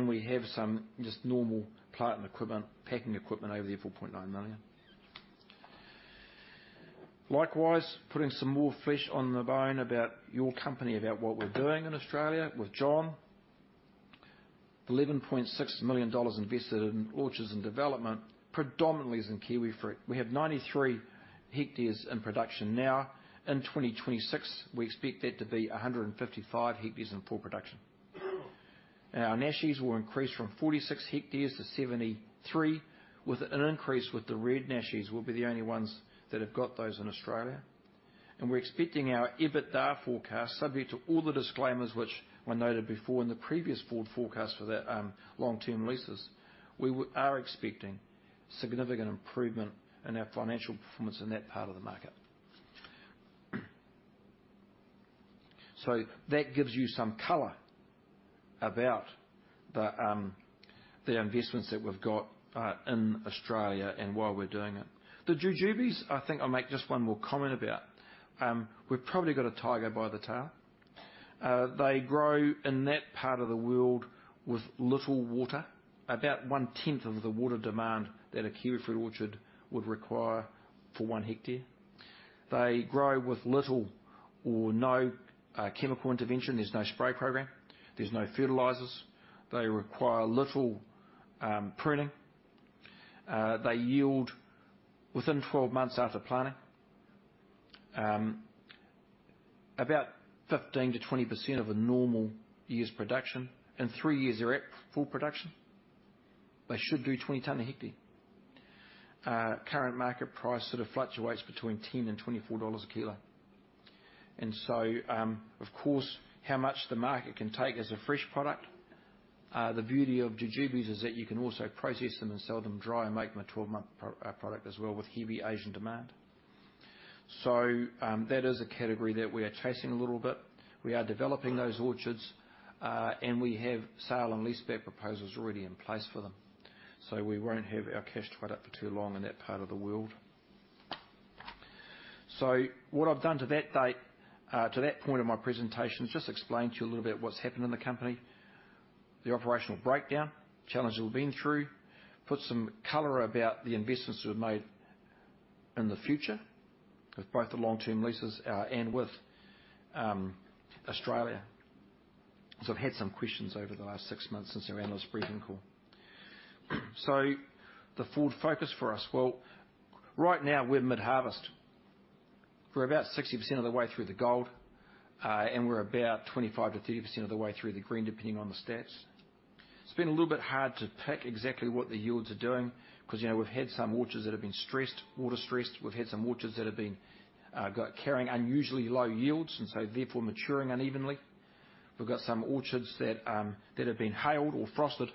We have some just normal plant and equipment, packing equipment over there, 4.9 million. Likewise, putting some more flesh on the bone about your company, about what we're doing in Australia with Jon. 11.6 million dollars invested in orchards and development, predominantly is in kiwifruit. We have 93ha in production now. In 2026, we expect that to be 155ha in full production. Our nashis will increase from 46ha to 73, with an increase with the red nashis. We'll be the only ones that have got those in Australia. We're expecting our EBITDA forecast, subject to all the disclaimers which were noted before in the previous board forecast for that long-term leases. We are expecting significant improvement in our financial performance in that part of the market. That gives you some color about the investments that we've got in Australia and why we're doing it. The jujubes, I think I'll make just one more comment about. We've probably got a tiger by the tail. They grow in that part of the world with little water, about one-tenth of the water demand that a kiwifruit orchard would require for one hectare. They grow with little or no chemical intervention. There's no spray program. There's no fertilizers. They require little pruning. They yield within 12 months after planting. About 15%-20% of a normal year's production. In three years, they're at full production. They should do 20 ton a hectare. Current market price sort of fluctuates between 10 and 24 dollars a kilo. Of course, how much the market can take as a fresh product. The beauty of jujubes is that you can also process them and sell them dry and make them a 12-month product as well with heavy Asian demand. That is a category that we are chasing a little bit. We are developing those orchards. We have sale and leaseback proposals already in place for them. We won't have our cash tied up for too long in that part of the world. What I've done to that date, to that point of my presentation, is just explain to you a little what's happened in the company. The operational breakdown, challenges we've been through, put some color about the investments we've made in the future with both the long-term leases and with Australia. I've had some questions over the last 6 months since our analyst briefing call. The forward focus for us. Right now, we're mid-harvest. We're about 60% of the way through the Gold, and we're about 25%-30% of the way through the green, depending on the stats. It's been a little bit hard to pick exactly what the yields are doing because, you know, we've had some orchards that have been stressed, water stressed. We've had some orchards that have been got carrying unusually low yields, and so therefore maturing unevenly. We've got some orchards that have been hailed or frosted.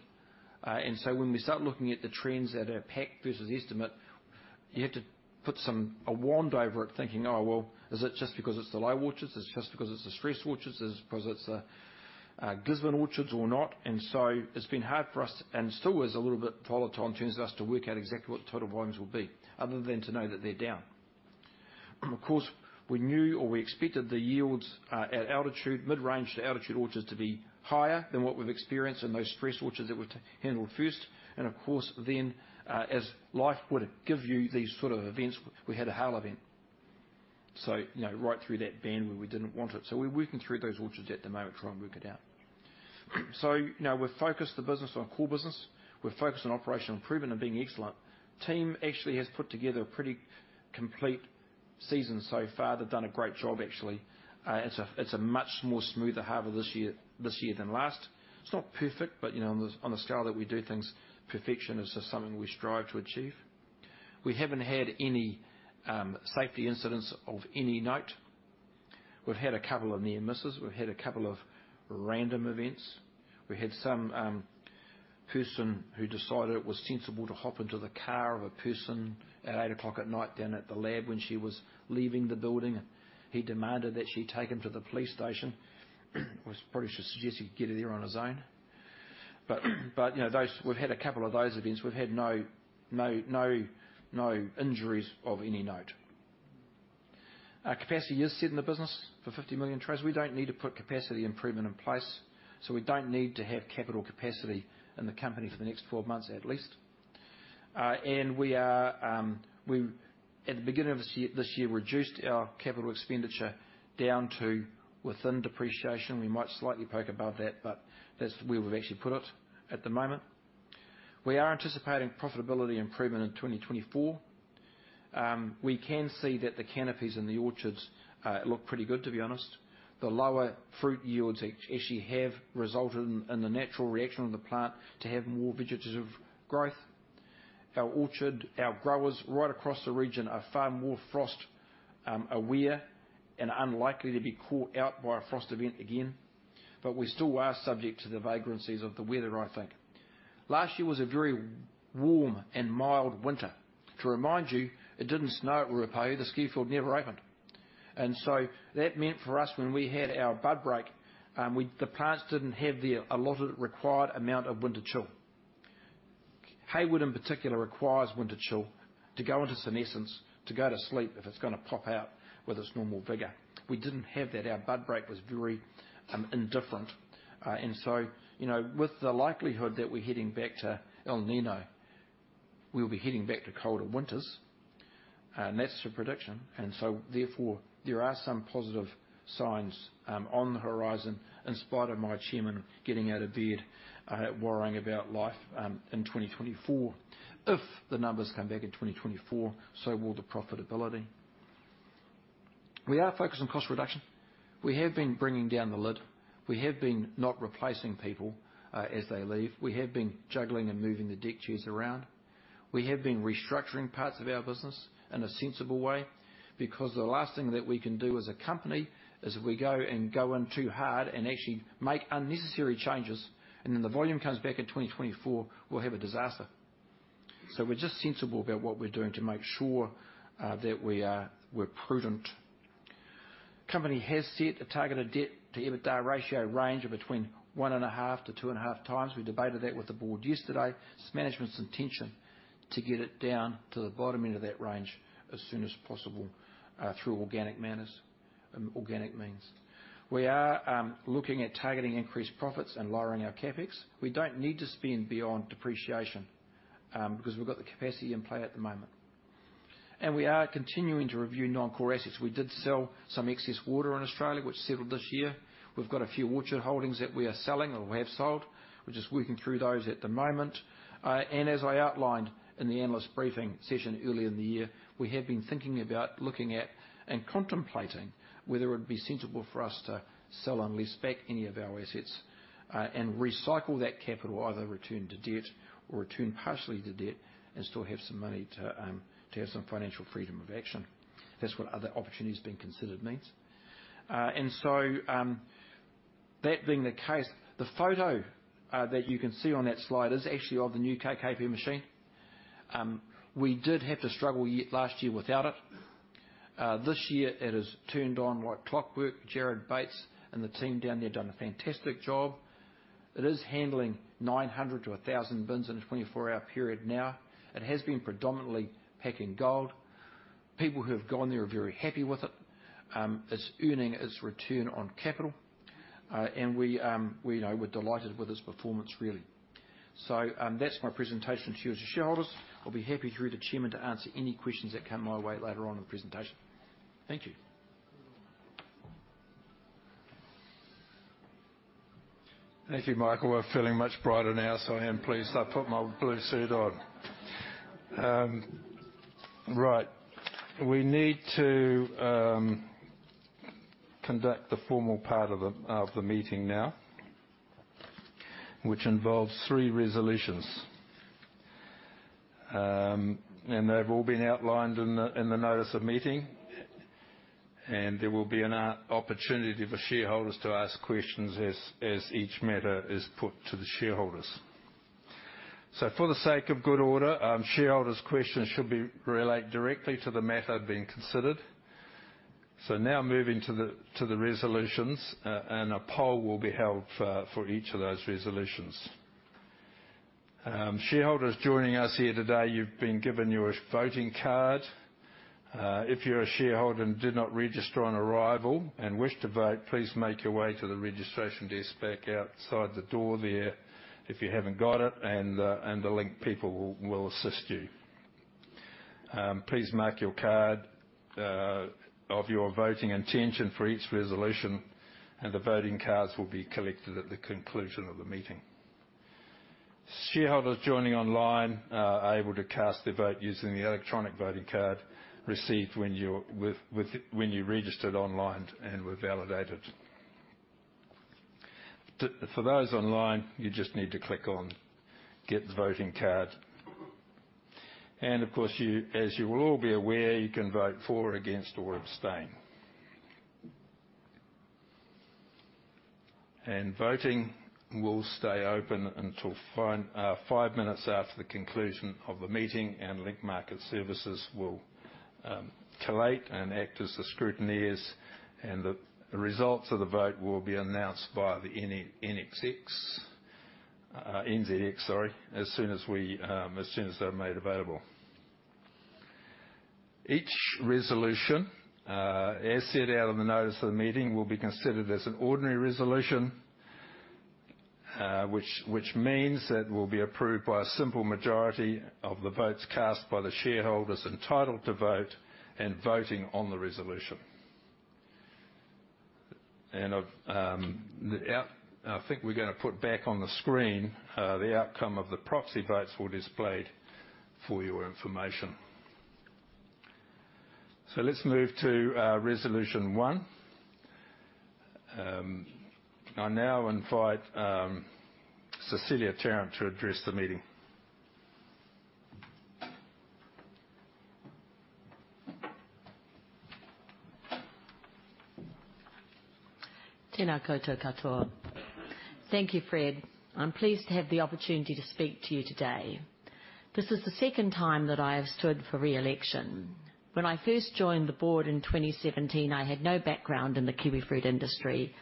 When we start looking at the trends that are packed versus estimate, you have to put a wand over it, thinking, "Oh, well, is it just because it's the low orchards? Is it just because it's the stressed orchards? Is it because it's the Gisborne orchards or not? It's been hard for us, and still is a little bit volatile in terms of us to work out exactly what the total volumes will be, other than to know that they're down. Of course, we knew or we expected the yields at altitude, mid-range to altitude orchards to be higher than what we've experienced in those stressed orchards that were to handle first. Of course, as life would give you these sort of events, we had a hail event. You know, right through that band where we didn't want it. We're working through those orchards at the moment, trying to work it out. Now we've focused the business on core business. We're focused on operational improvement and being excellent. Team actually has put together a pretty complete season so far. They've done a great job, actually. It's a, it's a much more smoother harvest this year than last. It's not perfect, you know, on the, on the scale that we do things, perfection is just something we strive to achieve. We haven't had any safety incidents of any note. We've had a couple of near misses. We've had a couple of random events. We had some person who decided it was sensible to hop into the car of a person at 8:00 at night down at the lab when she was leaving the building. He demanded that she take him to the police station. I probably should suggest he get there on his own. You know, we've had a couple of those events. We've had no injuries of any note. Our capacity is set in the business for 50 million trays. We don't need to put capacity improvement in place. We don't need to have capital capacity in the company for the next 12 months at least. We've At the beginning of this year, reduced our CapEx down to within depreciation. We might slightly poke above that. That's where we've actually put it at the moment. We are anticipating profitability improvement in 2024. We can see that the canopies in the orchards look pretty good, to be honest. The lower fruit yields actually have resulted in the natural reaction of the plant to have more vegetative growth. Our orchard, our growers right across the region are far more frost aware and unlikely to be caught out by a frost event again. We still are subject to the vagrancies of the weather, I think. Last year was a very warm and mild winter. To remind you, it didn't snow at Ruapehu. The ski field never opened. That meant for us, when we had our bud break, the plants didn't have the allotted required amount of winter chill. Hayward, in particular, requires winter chill to go into senescence, to go to sleep if it's gonna pop out with its normal vigor. We didn't have that. Our bud break was very indifferent. You know, with the likelihood that we're heading back to El Niño, we'll be heading back to colder winters. That's the prediction. Therefore, there are some positive signs on the horizon, in spite of my chairman getting out of bed, worrying about life in 2024. If the numbers come back in 2024, so will the profitability. We are focused on cost reduction. We have been bringing down the lid. We have been not replacing people as they leave. We have been juggling and moving the deck chairs around. We have been restructuring parts of our business in a sensible way, because the last thing that we can do as a company is if we go and go in too hard and actually make unnecessary changes, and then the volume comes back in 2024, we'll have a disaster. We're just sensible about what we're doing to make sure that we are, we're prudent. Company has set a targeted debt to EBITDA ratio range of between 1.5 to 2.5 times. We debated that with the board yesterday. It's management's intention to get it down to the bottom end of that range as soon as possible, through organic manners, organic means. We are looking at targeting increased profits and lowering our CapEx. We don't need to spend beyond depreciation, because we've got the capacity in play at the moment. We are continuing to review non-core assets. We did sell some excess water in Australia, which settled this year. We've got a few orchard holdings that we are selling or have sold. We're just working through those at the moment. As I outlined in the analyst briefing session earlier in the year, we have been thinking about looking at and contemplating whether it would be sensible for us to sell and lease back any of our assets and recycle that capital, either return to debt or return partially to debt and still have some money to have some financial freedom of action. That's what other opportunities being considered means. That being the case, the photo that you can see on that slide is actually of the new KP machine. We did have to struggle last year without it. This year it has turned on like clockwork. Jarrad Bates and the team down there done a fantastic job. It is handling 900-1,000 bins in a 24-hour period now. It has been predominantly packing Gold. People who have gone there are very happy with it. It's earning its return on capital. We, you know, we're delighted with its performance, really. That's my presentation to you as shareholders. I'll be happy through the chairman to answer any questions that come my way later on in the presentation. Thank you. Thank you, Michael. We're feeling much brighter now, so I am pleased I put my blue suit on. Right. We need to conduct the formal part of the meeting now, which involves three resolutions. They've all been outlined in the notice of meeting, and there will be an opportunity for shareholders to ask questions as each matter is put to the shareholders. For the sake of good order, shareholders' questions should be relate directly to the matter being considered. Now moving to the resolutions, and a poll will be held for each of those resolutions. Shareholders joining us here today, you've been given your voting card. If you're a shareholder and did not register on arrival and wish to vote, please make your way to the registration desk back outside the door there if you haven't got it and the Link people will assist you. Please mark your card of your voting intention for each resolution. The voting cards will be collected at the conclusion of the meeting. Shareholders joining online are able to cast their vote using the electronic voting card received when you registered online and were validated. For those online, you just need to click on Get Voting Card. Of course, you, as you will all be aware, you can vote for or against or abstain. Voting will stay open until fine, 5 minutes after the conclusion of the meeting, and Link Market Services will collate and act as the scrutineers, and the results of the vote will be announced via the NZX, sorry, as soon as we, as soon as they're made available. Each resolution, as set out on the notice of the meeting, will be considered as an ordinary resolution, which means that it will be approved by a simple majority of the votes cast by the shareholders entitled to vote and voting on the resolution. Of the outcome, I think we're gonna put back on the screen, the outcome of the proxy votes were displayed for your information. Let's move to Resolution 1. I now invite Cecilia Tarrant to address the meeting. Tena koutou katoa. Thank you, Fred. I'm pleased to have the opportunity to speak to you today. This is the second time that I have stood for re-election. When I first joined the board in 2017, I had no background in the kiwifruit industry.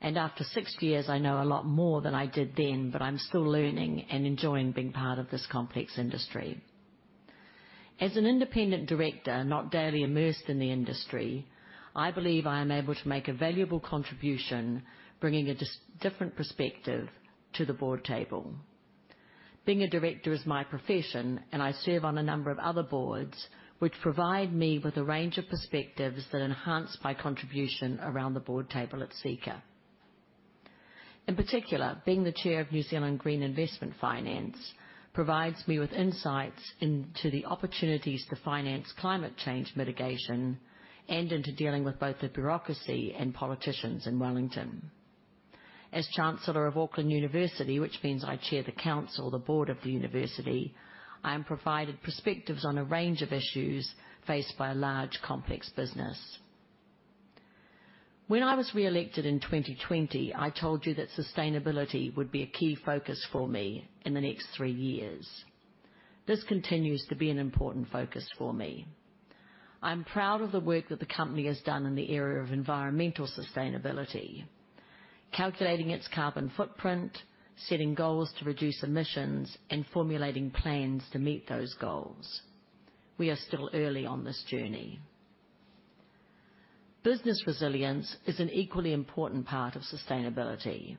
After six years, I know a lot more than I did then, but I'm still learning and enjoying being part of this complex industry. As an independent director, not daily immersed in the industry, I believe I am able to make a valuable contribution, bringing a different perspective to the board table. Being a director is my profession, and I serve on a number of other boards, which provide me with a range of perspectives that enhance my contribution around the board table at Seeka. In particular, being the Chair of New Zealand Green Investment Finance provides me with insights into the opportunities to finance climate change mitigation and into dealing with both the bureaucracy and politicians in Wellington. As Chancellor of Auckland University, which means I chair the council, the board of the university, I am provided perspectives on a range of issues faced by a large, complex business. When I was re-elected in 2020, I told you that sustainability would be a key focus for me in the next three years. This continues to be an important focus for me. I'm proud of the work that the company has done in the area of environmental sustainability, calculating its carbon footprint, setting goals to reduce emissions, and formulating plans to meet those goals. We are still early on this journey. Business resilience is an equally important part of sustainability.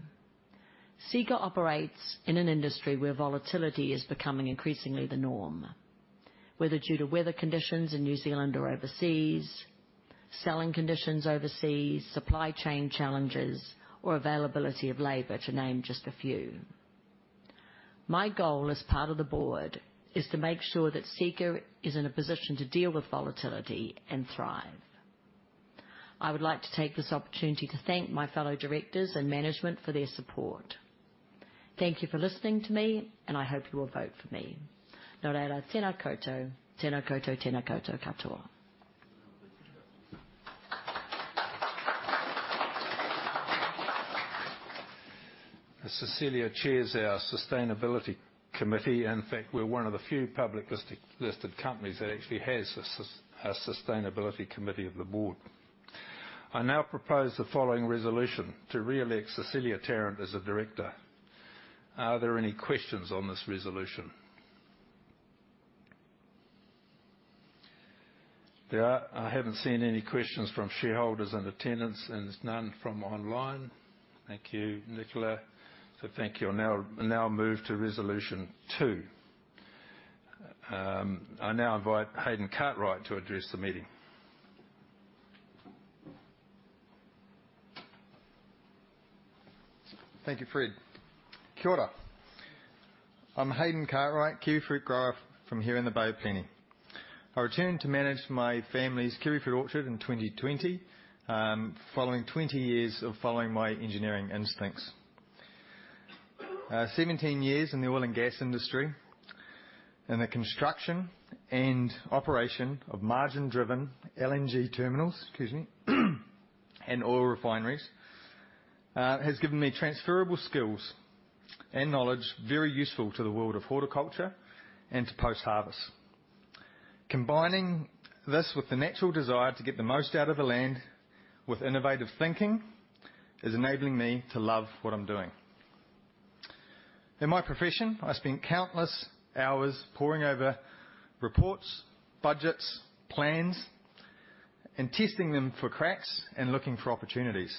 Seeka operates in an industry where volatility is becoming increasingly the norm, whether due to weather conditions in New Zealand or overseas, selling conditions overseas, supply chain challenges, or availability of labor, to name just a few. My goal as part of the board is to make sure that Seeka is in a position to deal with volatility and thrive. I would like to take this opportunity to thank my fellow directors and management for their support. Thank you for listening to me, and I hope you will vote for me. Cecilia chairs our sustainability committee. In fact, we're one of the few public listed companies that actually has a sustainability committee of the board. I now propose the following resolution: to re-elect Cecilia Tarrant as a director. Are there any questions on this resolution? I haven't seen any questions from shareholders and attendants, and there's none from online. Thank you, Nicola. Thank you. I'll now move to resolution two. I now invite Hayden Cartwright to address the meeting. Thank you, Fred. Kia ora. I'm Hayden Cartwright, kiwifruit grower from here in the Bay of Plenty. I returned to manage my family's kiwifruit orchard in 2020, following 20 years of following my engineering instincts. 17 years in the oil and gas industry, in the construction and operation of margin-driven LNG terminals, excuse me, and oil refineries, has given me transferable skills and knowledge very useful to the world of horticulture and to post-harvest. Combining this with the natural desire to get the most out of the land with innovative thinking is enabling me to love what I'm doing. In my profession, I spent countless hours poring over reports, budgets, plans Testing them for cracks and looking for opportunities.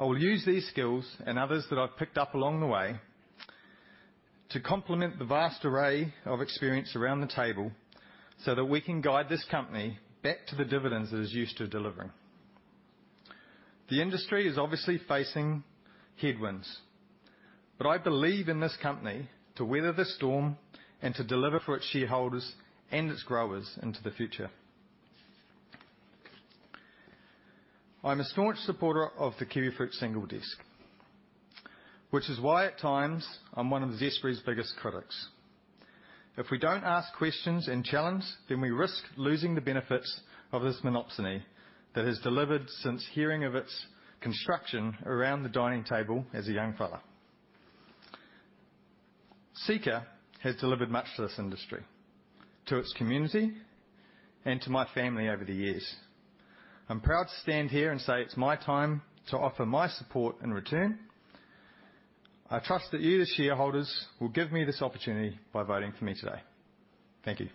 I will use these skills and others that I've picked up along the way to complement the vast array of experience around the table so that we can guide this company back to the dividends it is used to delivering. The industry is obviously facing headwinds. I believe in this company to weather the storm and to deliver for its shareholders and its growers into the future. I'm a staunch supporter of the kiwifruit single desk, which is why, at times, I'm one of Zespri's biggest critics. If we don't ask questions and challenge, then we risk losing the benefits of this monopsony that has delivered since hearing of its construction around the dining table as a young fella. Seeka has delivered much to this industry, to its community, and to my family over the years. I'm proud to stand here and say it's my time to offer my support in return. I trust that you, the shareholders, will give me this opportunity by voting for me today. Thank you.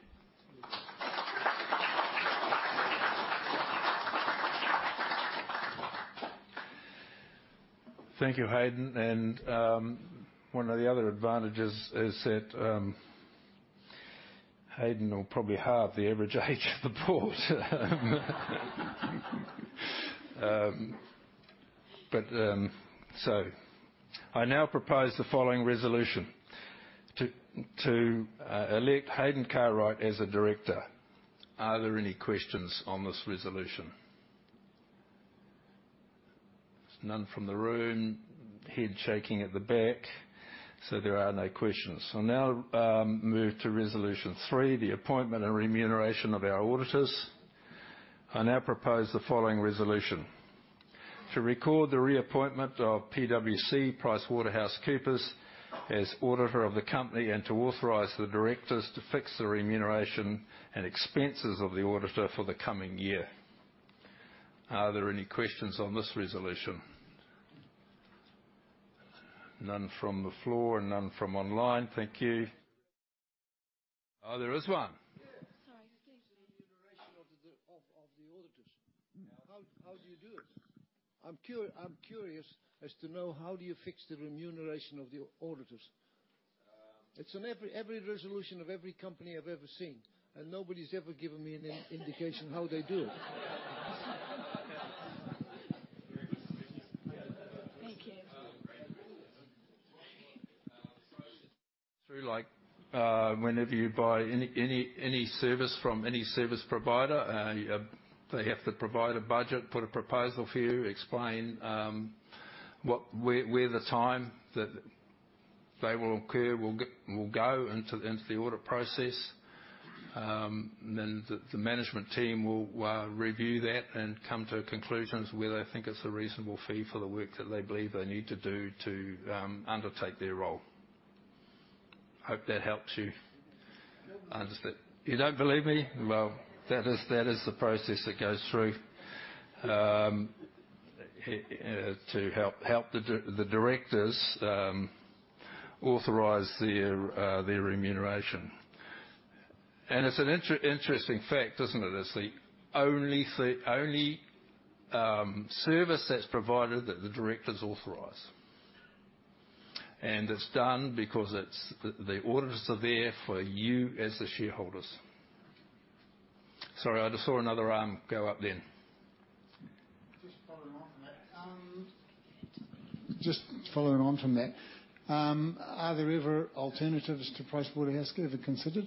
Thank you, Hayden. One of the other advantages is that Hayden will probably halve the average age of the board. I now propose the following resolution. To elect Hayden Cartwright as a director. Are there any questions on this resolution? None from the room. Head shaking at the back. There are no questions. I'll now move to resolution three, the appointment and remuneration of our auditors. I now propose the following resolution: To record the reappointment of PwC, PricewaterhouseCoopers, as auditor of the company, and to authorize the directors to fix the remuneration and expenses of the auditor for the coming year. Are there any questions on this resolution? None from the floor and none from online. Thank you. Oh, there is one. Sorry. Excuse me. The remuneration of the auditors. How do you do it? I'm curious as to know how do you fix the remuneration of the auditors. Um. It's on every resolution of every company I've ever seen, and nobody's ever given me an indication how they do it. Thank you. Whenever you buy any service from any service provider, they have to provide a budget, put a proposal for you, explain where the time that they will occur will go into the audit process. The management team will review that and come to a conclusion as to whether they think it's a reasonable fee for the work that they believe they need to do to undertake their role. Hope that helps you understand. You don't believe me? That is the process it goes through to help the directors authorize their remuneration. It's an interesting fact, isn't it? It's the only service that's provided that the directors authorize. It's done because it's... The auditors are there for you as the shareholders. Sorry, I just saw another arm go up then. Just following on from that, are there ever alternatives to PricewaterhouseCoopers considered?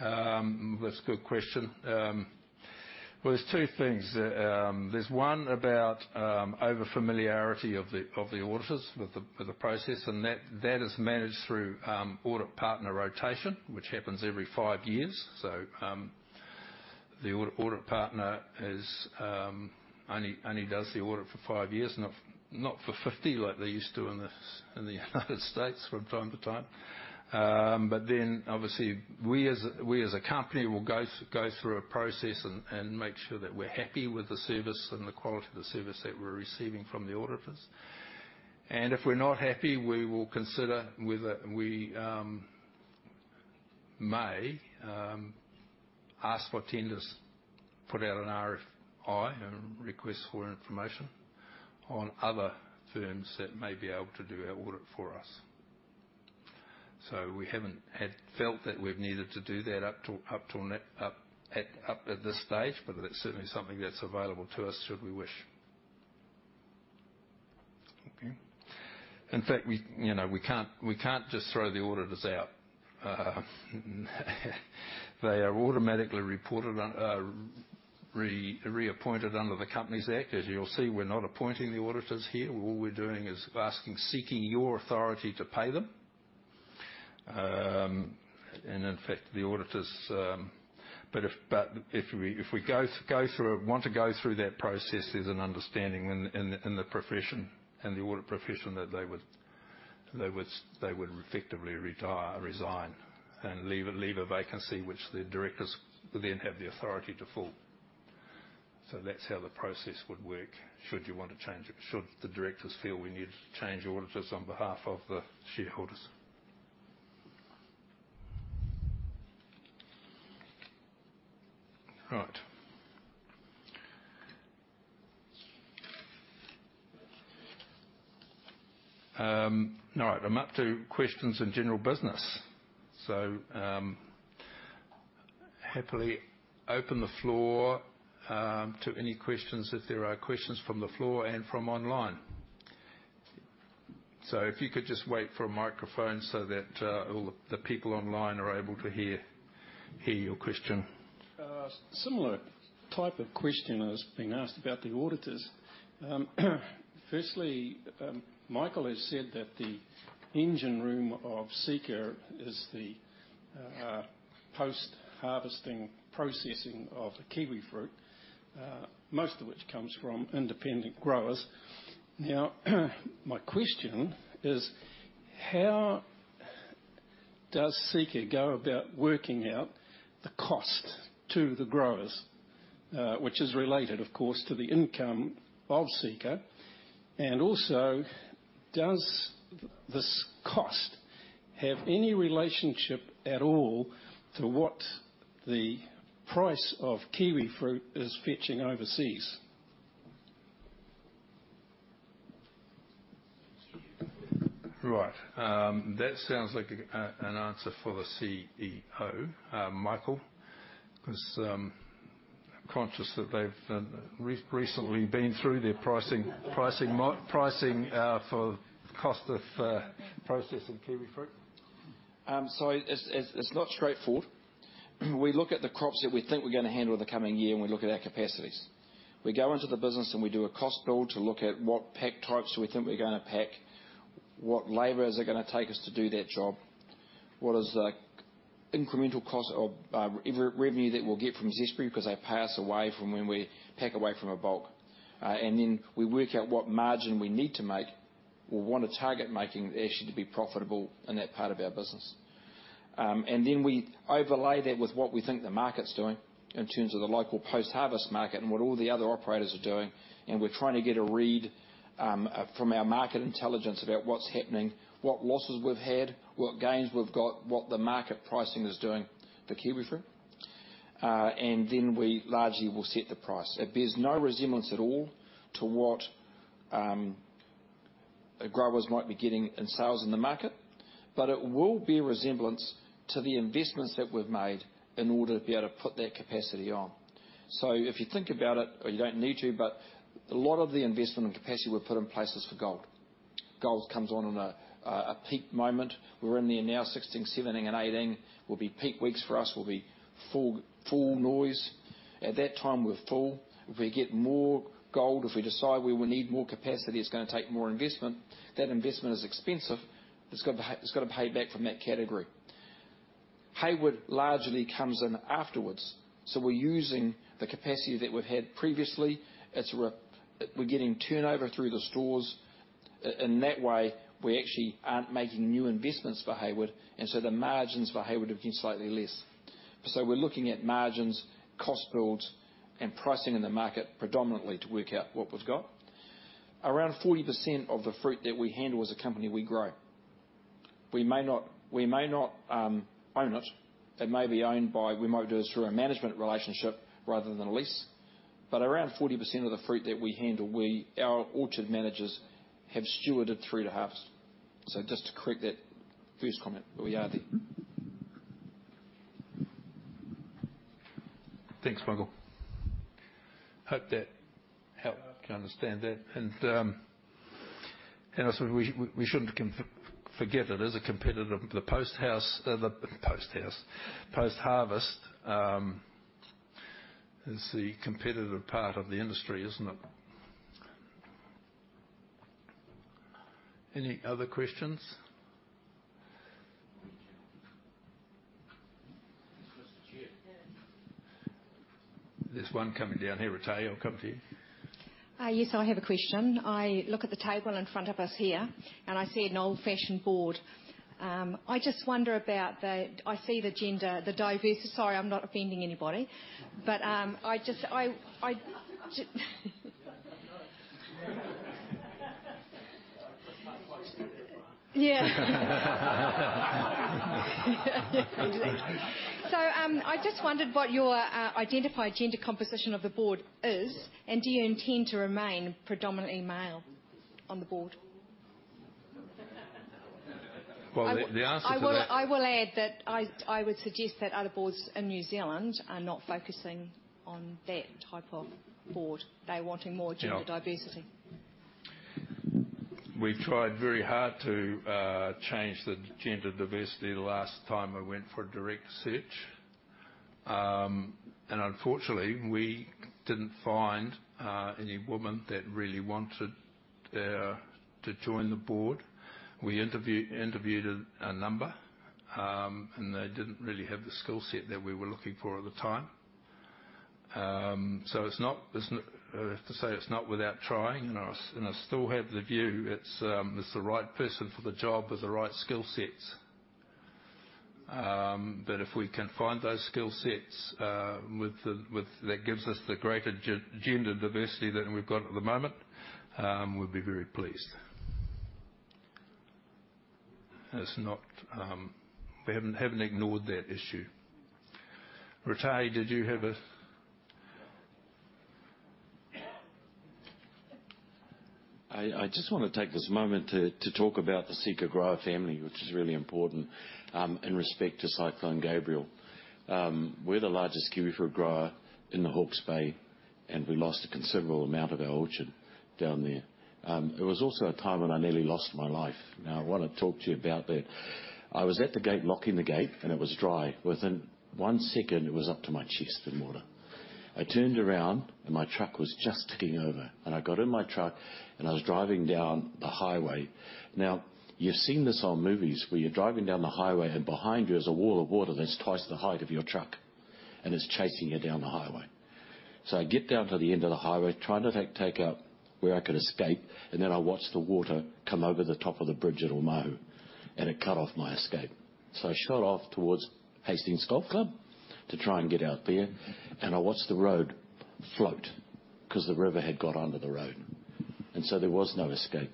That's a good question. Well, there's 2 things. There's one about overfamiliarity of the auditors with the process, and that is managed through audit partner rotation, which happens every five years. The audit partner is only does the audit for 5 years, not for 50, like they used to in the United States from time to time. Obviously, we as a company will go through a process and make sure that we're happy with the service and the quality of the service that we're receiving from the auditors. If we're not happy, we will consider whether we may ask for tenders, put out an RFI, a request for information, on other firms that may be able to do our audit for us. We haven't had felt that we've needed to do that up till, up at this stage, but that's certainly something that's available to us, should we wish. Okay. In fact, we, you know, we can't just throw the auditors out. They are automatically reported on, reappointed under the Companies Act. As you'll see, we're not appointing the auditors here. All we're doing is asking, seeking your authority to pay them. In fact, the auditors... If we go through, want to go through that process, there's an understanding in the profession, in the audit profession, that they would effectively retire, resign and leave a vacancy which the directors would then have the authority to fill. That's how the process would work, should you want to change it, should the directors feel we need to change auditors on behalf of the shareholders. Right. All right. I'm up to questions and general business. Happily open the floor to any questions if there are questions from the floor and from online. If you could just wait for a microphone so that all the people online are able to hear your question. Similar type of question that's been asked about the auditors. Firstly, Michael has said that the engine room of Seeka is the post-harvesting processing of the kiwifruit, most of which comes from independent growers. My question is: how does Seeka go about working out the cost to the growers, which is related, of course, to the income of Seeka? Also, does this cost have any relationship at all to what the price of kiwifruit is fetching overseas? Right. That sounds like an answer for the CEO, Michael. 'Cause conscious that they've recently been through their pricing for cost of processing kiwifruit. It's not straightforward. We look at the crops that we think we're gonna handle in the coming year, and we look at our capacities. We go into the business, and we do a cost build to look at what pack types we think we're gonna pack, what labor is it gonna take us to do that job, what is the incremental cost or re-revenue that we'll get from Zespri 'cause they pay us away from when we pack away from a bulk. We work out what margin we need to make or wanna target making there actually to be profitable in that part of our business. We overlay that with what we think the market's doing in terms of the local post-harvest market and what all the other operators are doing, and we're trying to get a read from our market intelligence about what's happening, what losses we've had, what gains we've got, what the market pricing is doing for kiwifruit. We largely will set the price. It bears no resemblance at all to what the growers might be getting in sales in the market, but it will bear resemblance to the investments that we've made in order to be able to put that capacity on. If you think about it, or you don't need to, but a lot of the investment and capacity were put in places for Gold. Gold comes on in a peak moment. We're in there now, 16, 17, and 18 will be peak weeks for us, will be full noise. At that time, we're full. If we get more Gold, if we decide we will need more capacity, it's gonna take more investment. That investment is expensive. It's gotta pay back from that category. Hayward largely comes in afterwards, we're using the capacity that we've had previously. We're getting turnover through the stores. In that way, we actually aren't making new investments for Hayward, the margins for Hayward have been slightly less. We're looking at margins, cost builds, and pricing in the market predominantly to work out what we've got. Around 40% of the fruit that we handle as a company, we grow. We may not own it. It may be owned by... We might do this through a management relationship rather than a lease. Around 40% of the fruit that we handle, our orchard managers have stewarded through to harvest. Just to correct that first comment, we are. Thanks, Michael. Hope that helped to understand that. Also we shouldn't forget it. It is a competitive. The Post-harvest is the competitive part of the industry, isn't it? Any other questions? Mr. Chair. There's one coming down here. Roberta, I'll come to you. Yes, I have a question. I look at the table in front of us here. I see an old-fashioned board. I just wonder about the gender, the diversity. Sorry, I'm not offending anybody. I just, Yeah. I just wondered what your identified gender composition of the board is. Do you intend to remain predominantly male on the board? Well, the answer to that- I will add that I would suggest that other boards in New Zealand are not focusing on that type of board. They're wanting more gender diversity. We've tried very hard to change the gender diversity the last time I went for a direct search. Unfortunately, we didn't find any woman that really wanted to join the board. We interviewed a number, they didn't really have the skill set that we were looking for at the time. I have to say it's not without trying, and I still, and I still have the view it's the right person for the job with the right skill sets. If we can find those skill sets, with the that gives us the greater gender diversity than we've got at the moment, we'd be very pleased. That's not. We haven't ignored that issue. Ratahi, did you have a? I just wanna take this moment to talk about the Zespri grower family, which is really important in respect to Cyclone Gabrielle. We're the largest kiwifruit grower in the Hawke's Bay, and we lost a considerable amount of our orchard down there. It was also a time when I nearly lost my life. Now, I wanna talk to you about that. I was at the gate locking the gate, and it was dry. Within one second, it was up to my chest in water. I turned around, and my truck was just ticking over. I got in my truck, and I was driving down the highway. Now, you've seen this on movies where you're driving down the highway, and behind you is a wall of water that's twice the height of your truck, and it's chasing you down the highway. I get down to the end of the highway, trying to take out where I could escape, and then I watched the water come over the top of the bridge at Omahu, and it cut off my escape. I shot off towards Hastings Golf Club to try and get out there, and I watched the road float because the river had got under the road, and so there was no escape.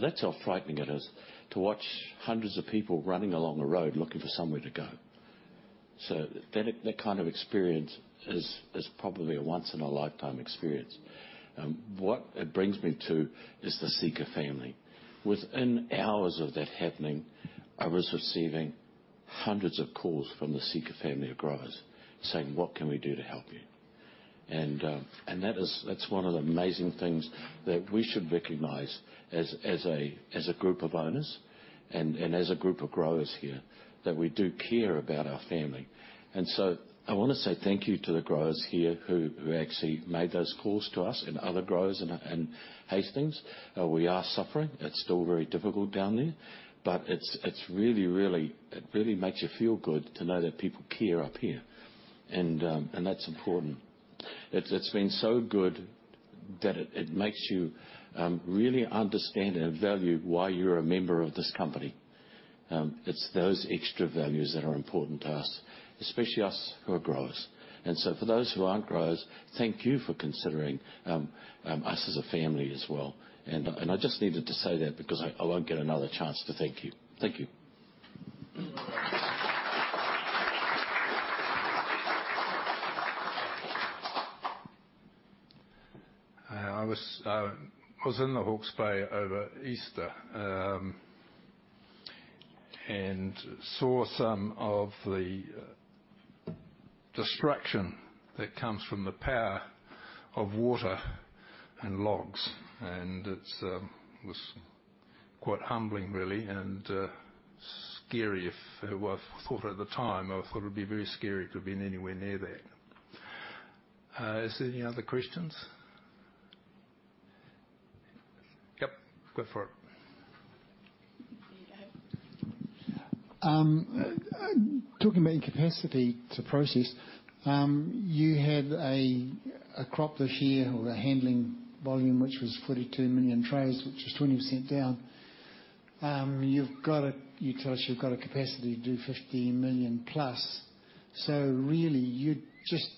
That's how frightening it is to watch hundreds of people running along the road looking for somewhere to go. That kind of experience is probably a once-in-a-lifetime experience. What it brings me to is the Zespri family. Within hours of that happening, I was receiving hundreds of calls from the Zespri family of growers saying, "What can we do to help you?" That is... That's one of the amazing things that we should recognize as a group of owners and as a group of growers here, that we do care about our family. I wanna say thank you to the growers here who actually made those calls to us and other growers in Hastings. We are suffering. It's still very difficult down there. It really makes you feel good to know that people care up here. That's important. It's been so good that it makes you really understand and value why you're a member of this company. It's those extra values that are important to us, especially us who are growers. For those who aren't growers, thank you for considering us as a family as well. I just needed to say that because I won't get another chance to thank you. Thank you. I was in the Hawke's Bay over Easter, and saw some of the destruction that comes from the power of water and logs, and it's, was quite humbling really and, scary if... I thought at the time, I thought it'd be very scary to have been anywhere near there. Is there any other questions? Yep, go for it. Talking about capacity to process, you had a crop this year or a handling volume which was 42 million trays, which is 20% down. You tell us you've got a capacity to do 50 million plus. Really you're just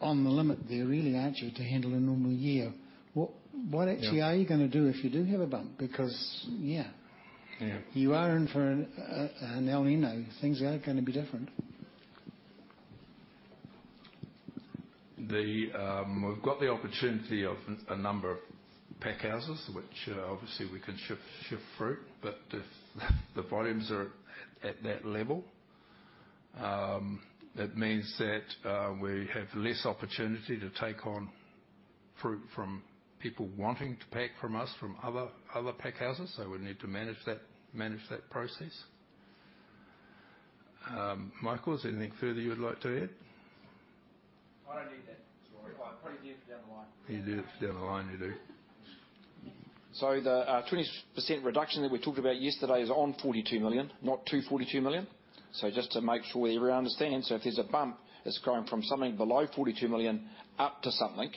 on the limit there really, aren't you, to handle a normal year? What actually? Yeah. Are you gonna do if you do have a bump? Because, yeah. Yeah. You are in for an El Niño. Things are gonna be different. We've got the opportunity of a number of pack houses, which obviously we can shift fruit. If the volumes are at that level, it means that we have less opportunity to take on fruit from people wanting to pack from us from other pack houses. We need to manage that process. Michael, is there anything further you'd like to add? I don't need that story. I probably do down the line. You do down the line, you do. The 20% reduction that we talked about yesterday is on 42 million, not to 42 million. Just to make sure everyone understands, if there's a bump, it's growing from something below 42 million up to something.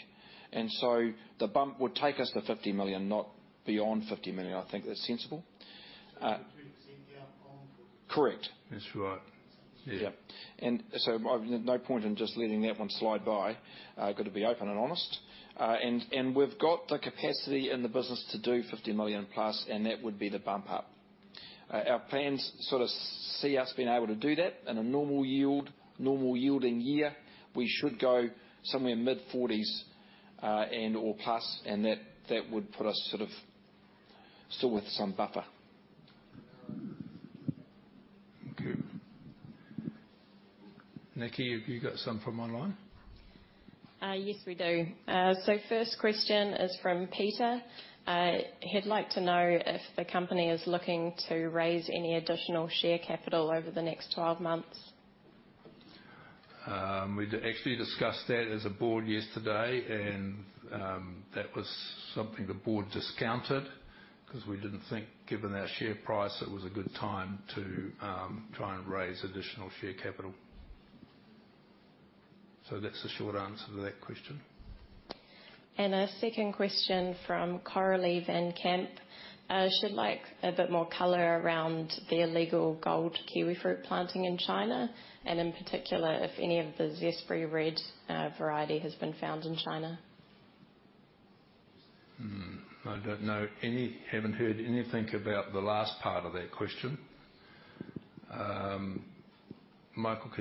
The bump would take us to 50 million, not beyond 50 million. I think that's sensible. 20% down. Correct. That's right. Yeah. No point in just letting that one slide by. Got to be open and honest. We've got the capacity in the business to do 50 million plus, and that would be the bump up. Our plans sort of see us being able to do that. In a normal yield, normal yielding year, we should go somewhere mid-40s and or plus, and that would put us sort of still with some buffer. Thank you. Nikki, have you got some from online? Yes, we do. First question is from Peter. He'd like to know if the company is looking to raise any additional share capital over the next 12 months. We'd actually discussed that as a board yesterday, and that was something the board discounted 'cause we didn't think, given our share price, it was a good time to try and raise additional share capital. That's the short answer to that question. A second question from Coralie van Kamp. She'd like a bit more color around the illegal Gold kiwifruit planting in China, and in particular, if any of the Zespri Red variety has been found in China? Haven't heard anything about the last part of that question. Michael,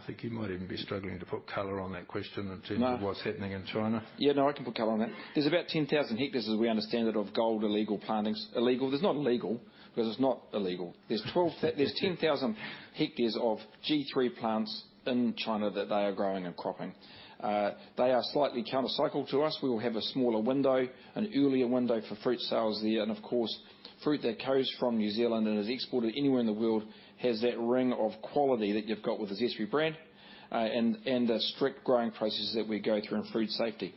I think you might even be struggling to put color on that question. No. in terms of what's happening in China. Yeah, no, I can put color on that. There's about 10,000ha, as we understand it, of Gold illegal plantings. Illegal. There's not legal, because it's not illegal. There's 10,000ha of G3 plants in China that they are growing and cropping. They are slightly counter-cycled to us. We will have a smaller window, an earlier window for fruit sales there. Of course, fruit that comes from New Zealand and is exported anywhere in the world has that ring of quality that you've got with the Zespri brand, and the strict growing processes that we go through in food safety.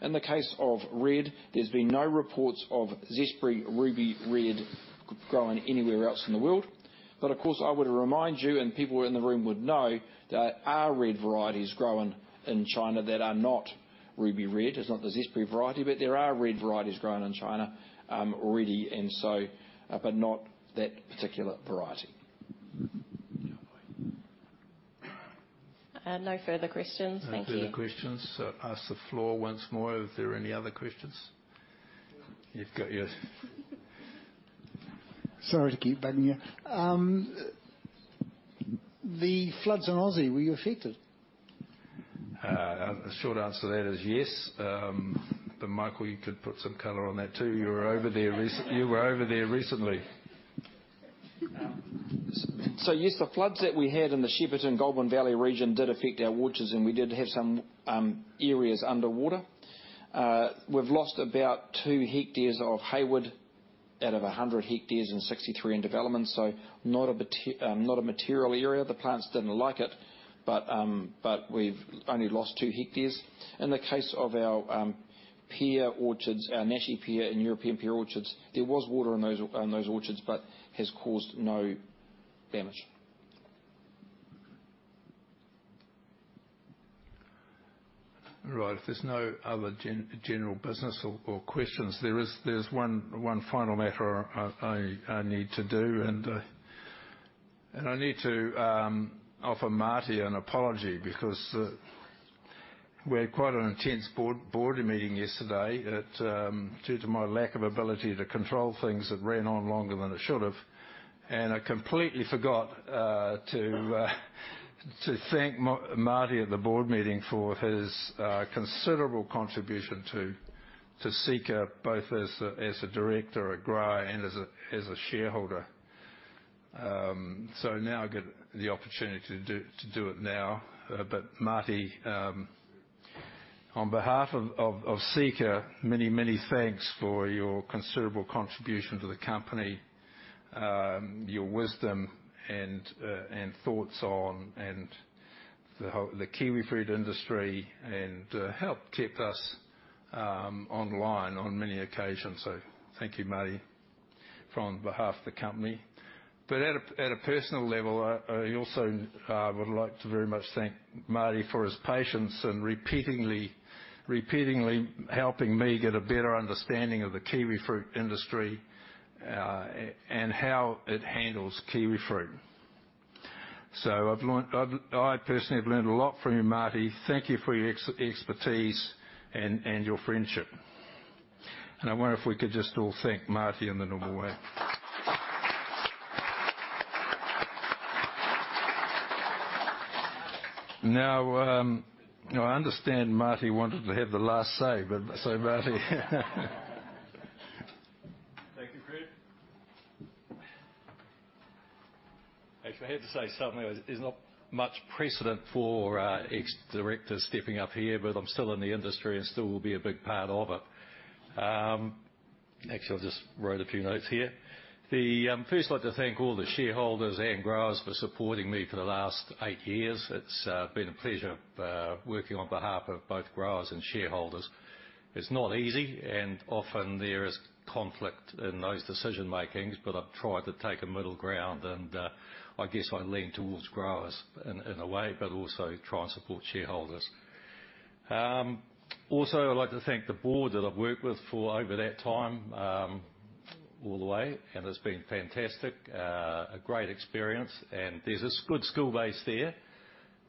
In the case of red, there's been no reports of Zespri RubyRed growing anywhere else in the world. I would remind you, and people in the room would know, there are red varieties growing in China that are not Ruby Red. It's not the Zespri variety. There are red varieties growing in China already. Not that particular variety. Mm-hmm. No further questions. Thank you. No further questions. I'll ask the floor once more if there are any other questions. You've got yours. Sorry to keep bugging you. The floods in Aussie, were you affected? The short answer to that is yes. Michael, you could put some color on that too. You were over there recently. Yes, the floods that we had in the Shepparton Goulburn Valley region did affect our orchards, and we did have some areas underwater. We've lost about 2 hectares of Hayward out of 100ha and 63 in development, not a material area. The plants didn't like it, but we've only lost 2ha. In the case of our pear orchards, our Nashi pear and European pear orchards, there was water in those orchards, but has caused no damage. All right. If there's no other general business or questions, there's one final matter I need to do, and I need to offer Marty an apology because we had quite an intense board meeting yesterday. It due to my lack of ability to control things, it ran on longer than it should have. I completely forgot to thank Marty at the board meeting for his considerable contribution to Seeka, both as a director, a grower, and as a shareholder. Now I get the opportunity to do it now. Marty, on behalf of Seeka, many thanks for your considerable contribution to the company, your wisdom and thoughts on the kiwifruit industry, and helped kept us online on many occasions. Thank you, Marty, from behalf of the company. At a personal level, I also would like to very much thank Marty for his patience and repeatingly helping me get a better understanding of the kiwifruit industry and how it handles kiwifruit. I personally have learned a lot from you, Marty. Thank you for your expertise and your friendship. I wonder if we could just all thank Marty in the normal way. Now, I understand Marty wanted to have the last say, but... Marty. Thank you, Fred. If I had to say something, there's not much precedent for a ex-director stepping up here, but I'm still in the industry and still will be a big part of it. Actually, I just wrote a few notes here. The first, I'd like to thank all the shareholders and growers for supporting me for the last eight years. It's been a pleasure working on behalf of both growers and shareholders. It's not easy, and often there is conflict in those decision-makings, but I've tried to take a middle ground, and I guess I lean towards growers in a way, but also try and support shareholders. Also, I'd like to thank the board that I've worked with for over that time, all the way, and it's been fantastic, a great experience. There's this good skill base there,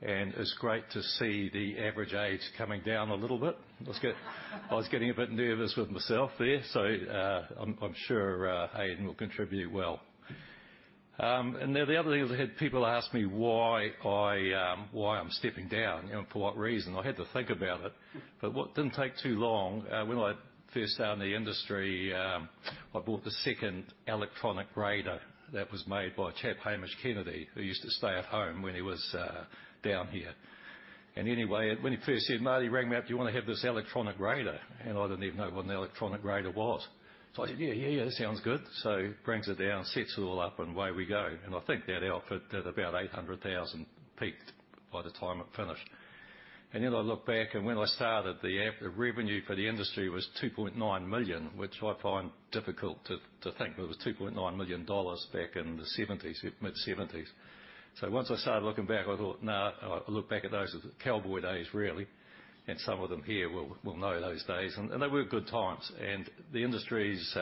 and it's great to see the average age coming down a little bit. I was getting a bit nervous with myself there. I'm sure Hayden will contribute well. The other thing is I had people ask me why I why I'm stepping down, you know, for what reason. I had to think about it, well, it didn't take too long. When I first started in the industry, I bought the second electronic grader that was made by a chap, Hamish Kennedy, who used to stay at home when he was down here. Anyway, when he first said, "Marty," rang me up, "Do you wanna have this electronic grader?" I didn't even know what an electronic grader was. I said, "Yeah, yeah, sounds good." Brings it down, sets it all up, and away we go. I think that outfit did about 800,000 peaked by the time it finished. Then I look back, and when I started, the revenue for the industry was 2.9 million, which I find difficult to think. There was 2.9 million dollars back in the 1970s, mid-1970s. Once I started looking back, I thought, "No." I look back at those as the cowboy days, really, and some of them here will know those days. They were good times. The industry's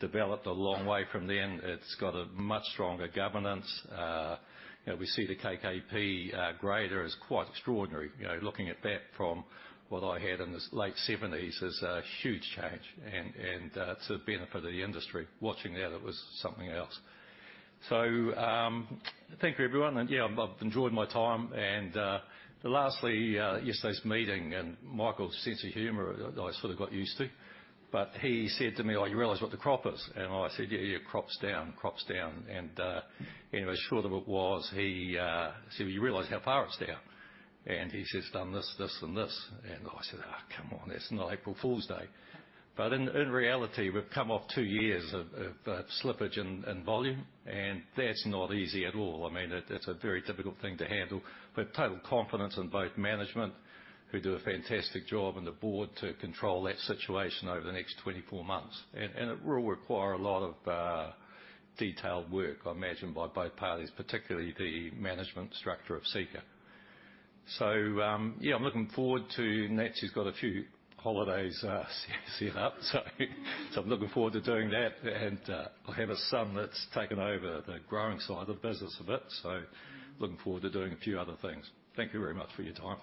developed a long way from then. It's got a much stronger governance. You know, we see the KKP grader is quite extraordinary. You know, looking at that from what I had in the late seventies is a huge change. To the benefit of the industry. Watching that, it was something else. Thank you everyone. Yeah, I've enjoyed my time and, lastly, yesterday's meeting and Michael's sense of humor, I sort of got used to. He said to me, "Oh, you realize what the crop is?" I said, "Yeah, crop's down." Anyway, short of it was, he said, "Well, you realize how far it's down?" He's just done this and this. I said, "Come on, it's not April Fool's Day." In reality, we've come off 2 years of slippage in volume, and that's not easy at all. I mean, it's a very difficult thing to handle. Total confidence in both management who do a fantastic job, and the board to control that situation over the next 24 months. It will require a lot of detailed work, I imagine by both parties, particularly the management structure of Seeka. Yeah, I'm looking forward to next. He's got a few holidays set up, so I'm looking forward to doing that. I have a son that's taken over the growing side of the business a bit, so looking forward to doing a few other things. Thank you very much for your time.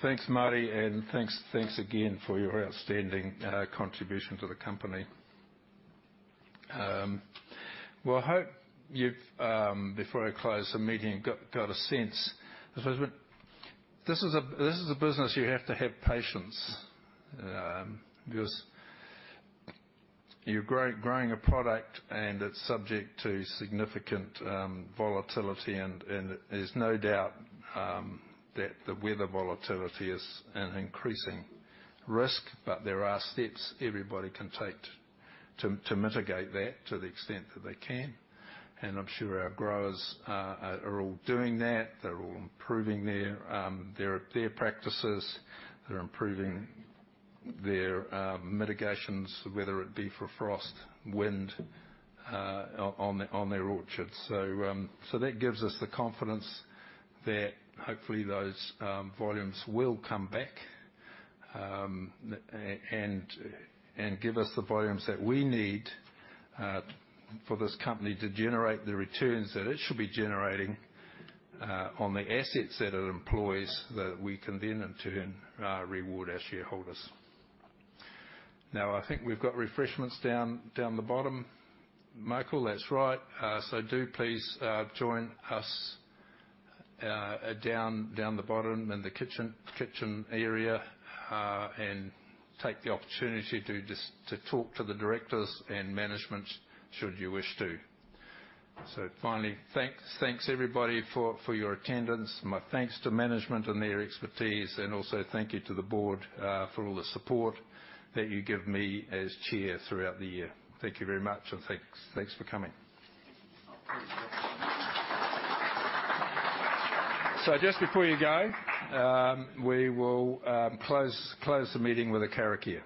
Thanks, Marty, and thanks again for your outstanding contribution to the company. Well, I hope you've, before I close the meeting, got a sense. I suppose this is a business you have to have patience, because you're growing a product and it's subject to significant volatility and there's no doubt that the weather volatility is an increasing risk. there are steps everybody can take to mitigate that to the extent that they can. I'm sure our growers are all doing that. They're all improving their practices. They're improving their mitigations, whether it be for frost, wind, on their orchards. that gives us the confidence that hopefully those volumes will come back and give us the volumes that we need for this company to generate the returns that it should be generating on the assets that it employs, that we can then in turn reward our shareholders. I think we've got refreshments down the bottom. Michael, that's right. do please join us down the bottom in the kitchen area. And take the opportunity to talk to the directors and management should you wish to. Finally, thanks everybody for your attendance. My thanks to management and their expertise. Also thank you to the board for all the support that you give me as chair throughout the year. Thank you very much and thanks for coming. Just before you go, we will close the meeting with a karakia.